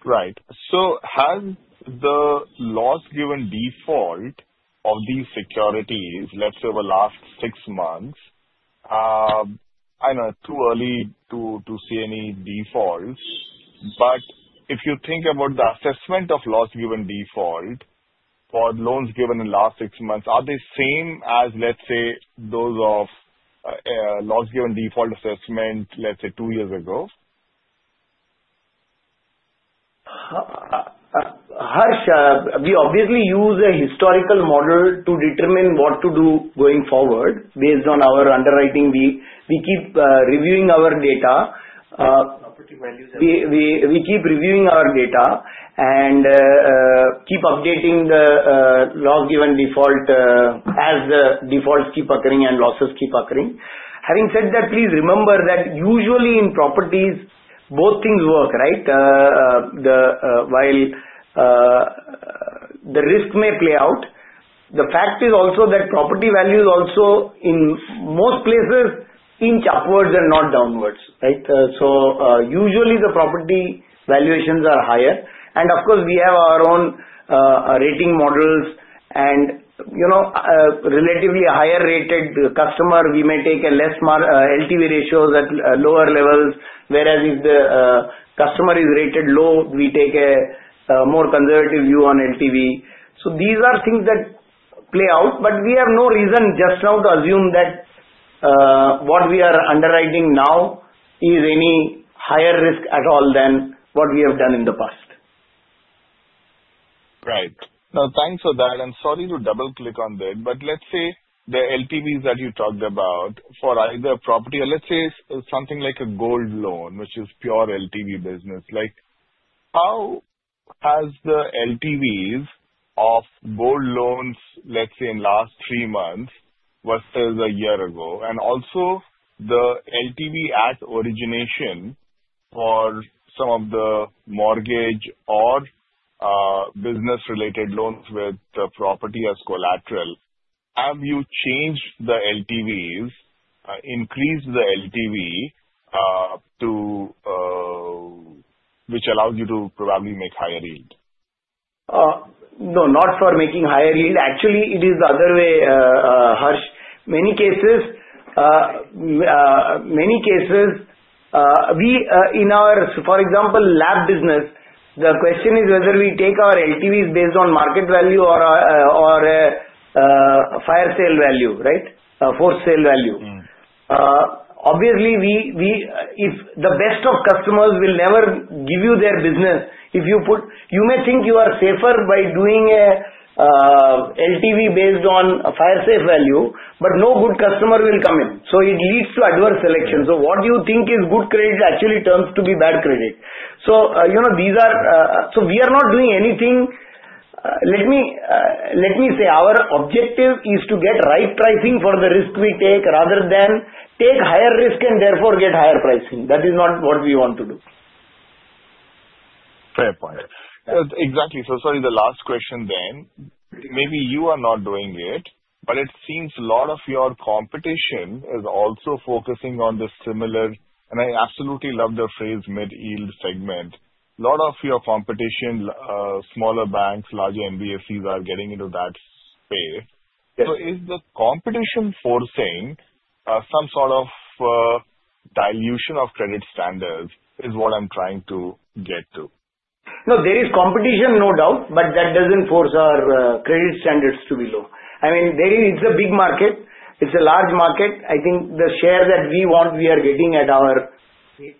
right. Has the loss given default of these securities, let's say in the last six months, changed? I know it's too early to see any defaults. If you think about the assessment of loss given default for loans given in the last six months, are they the same as those of loss given default assessment, let's say two years ago? We obviously use a historical model to determine what to do going forward based on our underwriting. We keep reviewing our data and keep updating the loss given default as the defaults keep occurring and losses keep occurring. Having said that, please remember that usually in properties both things work, right? While the risk may play out, the fact is also that property values also in most places inch upwards and not downwards. Usually the property valuations are higher. Of course, we have our own rating models and, you know, relatively higher rated customer. We may take a less LTV ratio at lower levels, whereas if the customer is rated low, we take a more conservative view on LTV. These are things that play out, but we have no reason just now to assume that what we are underwriting now is any higher risk at all than what we have done in the past. Thanks for that. I'm sorry to double click on that, but let's say the LTVs that you talked about for either property, let's say something like a gold loan, which is pure LTV business. How has the LTVs of gold loans, let's say in the last three months versus a year ago, and also the LTV at origination for some of the mortgage or business-related loans with property as collateral? Have you changed the LTVs, increased the LTV to which allows you to probably make higher yield? No, not for making higher yield. Actually, it is the other way. Harsh, in many cases, for example, in our LAP business, the question is whether we take our LTVs based on market value or fire sale value. Obviously, the best of customers will never give you their business if you put, you may think you are safer by doing an LTV based on fire sale value, but no good customer will come in. It leads to adverse selection. What you think is good credit actually turns out to be bad credit. We are not doing anything. Let me say our objective is to get right pricing for the risk we take rather than take higher risk and therefore get higher pricing. That is not what we want to do. Fair point. Exactly. Sorry, the last question, then. Maybe you are not doing it, but it seems a lot of your competition is also focusing on the similar, and I absolutely love the phrase mid-yield segment. A lot of your competition, smaller banks, larger NBFCs, are getting into that space. Is the competition forcing some sort of dilution of credit standards, is what I'm trying to get to? No, there is competition, no doubt, but that doesn't force our credit standards to be low. It's a big market, it's a large market. I think the share that we want, we are getting at our. Do you.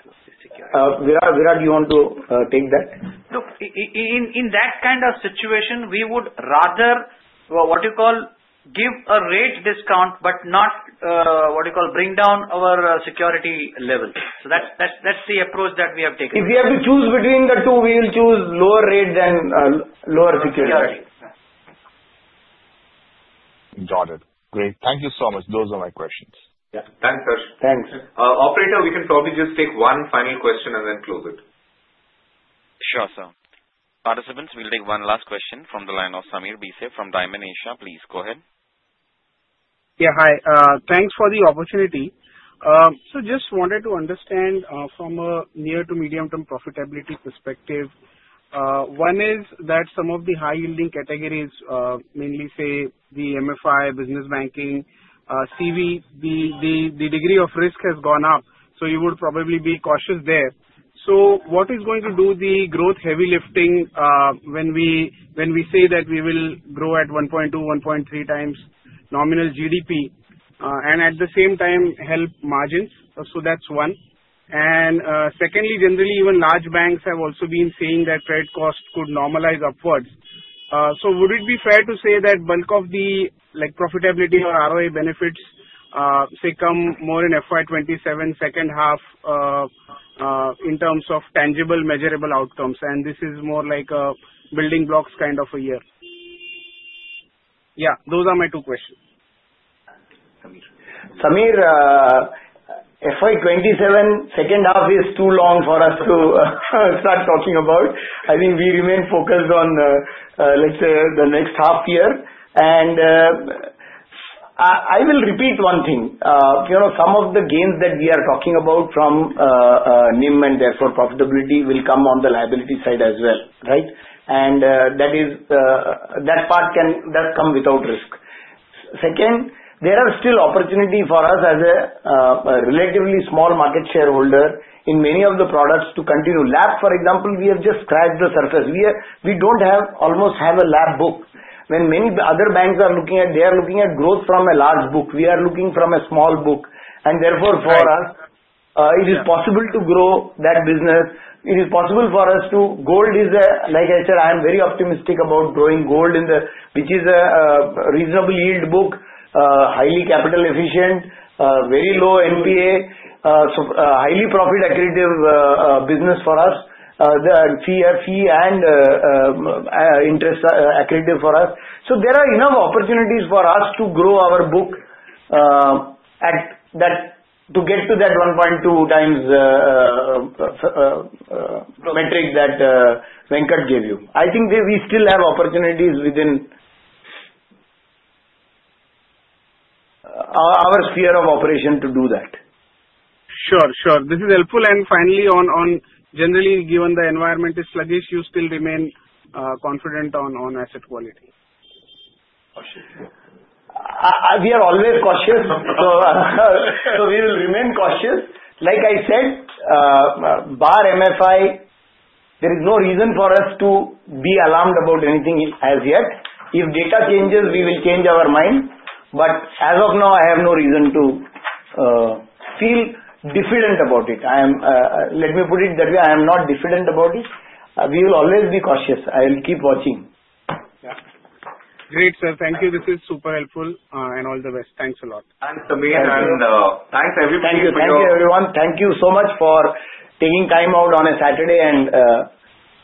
In that kind of situation, we would rather, what you call, give a rate discount but not, what you call, bring down our security level. That is the approach that we have taken. If we have to choose between the two, we will choose lower rate than lower security. Got it. Great. Thank you so much. Those are my questions. Thanks Harsh. Thanks operator. We can probably just take one final question and then close it. Sure, sir. Participants, we'll take one last question from the line of Sameer Bhise from Dymon Asia. Please go ahead. Yeah, hi, thanks for the opportunity. Just wanted to understand from a near to medium term profitability perspective. One is that some of the high yielding categories, mainly the MFI, business banking, CV, the degree of risk has gone up, so you would probably be cautious there. What is going to do the growth heavy lifting when we say that we will grow at 1.2, 1.3 times nominal GDP and at the same time help margins? That's one. Secondly, generally even large banks have also been saying that credit cost could normalize upwards. Would it be fair to say that bulk of the profitability or ROI benefits come more in FY2027 second half in terms of tangible measurable outcomes and this is more like a building blocks kind of a year? Those are my two questions. FY27 second half is too long for us to start talking about. I think we remain focused on the next half year. I will repeat one thing. You know some of the gains that we are talking about from NIM and therefore profitability will come on the liability side as well. That part can come without risk. There are still opportunities for us as a relatively small market shareholder in many of the products to continue LAP. For example, we have just scratched the surface. We don't have almost have a LAP book when many other banks are looking at, they are looking at growth from a large book, we are looking from a small book and therefore for us it is possible to grow that business. It is possible for us to Gold is like I said, I am very optimistic about growing gold which is a reasonable yield book, highly capital efficient, very low NPA, highly profit accretive business for us, fee and interest accretive for us. There are enough opportunities for us to grow our book to get to that 1.2 times metric that Venkat gave you. I think we still have opportunities within our sphere of operation to do that. Sure, this is helpful. Finally, given the environment is sluggish, you still remain confident on asset quality. We are always cautious, so we will remain cautious. Like I said, bar MFI, there is no reason for us to be alarmed about anything as yet. If data changes, we will change our mind. As of now, I have no reason to feel diffident about it. Let me put it that way. I am not diffident about it. We will always be cautious. I will keep watching. Great, sir. Thank you. This is super helpful and all the best. Thanks a lot. Thanks, Sovik. Thanks everyone. Thank you, everyone. Thank you so much for taking time out on a Saturday and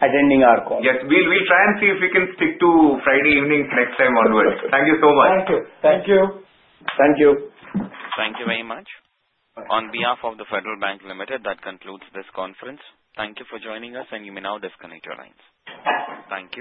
attending our call. Yes, we will try and see if we can stick to Friday evenings next time onwards. Thank you so much. Thank you. Thank you. Thank you very much on behalf of Federal Bank Limited. That concludes this conference. Thank you for joining us. You may now disconnect your lines. Thank you.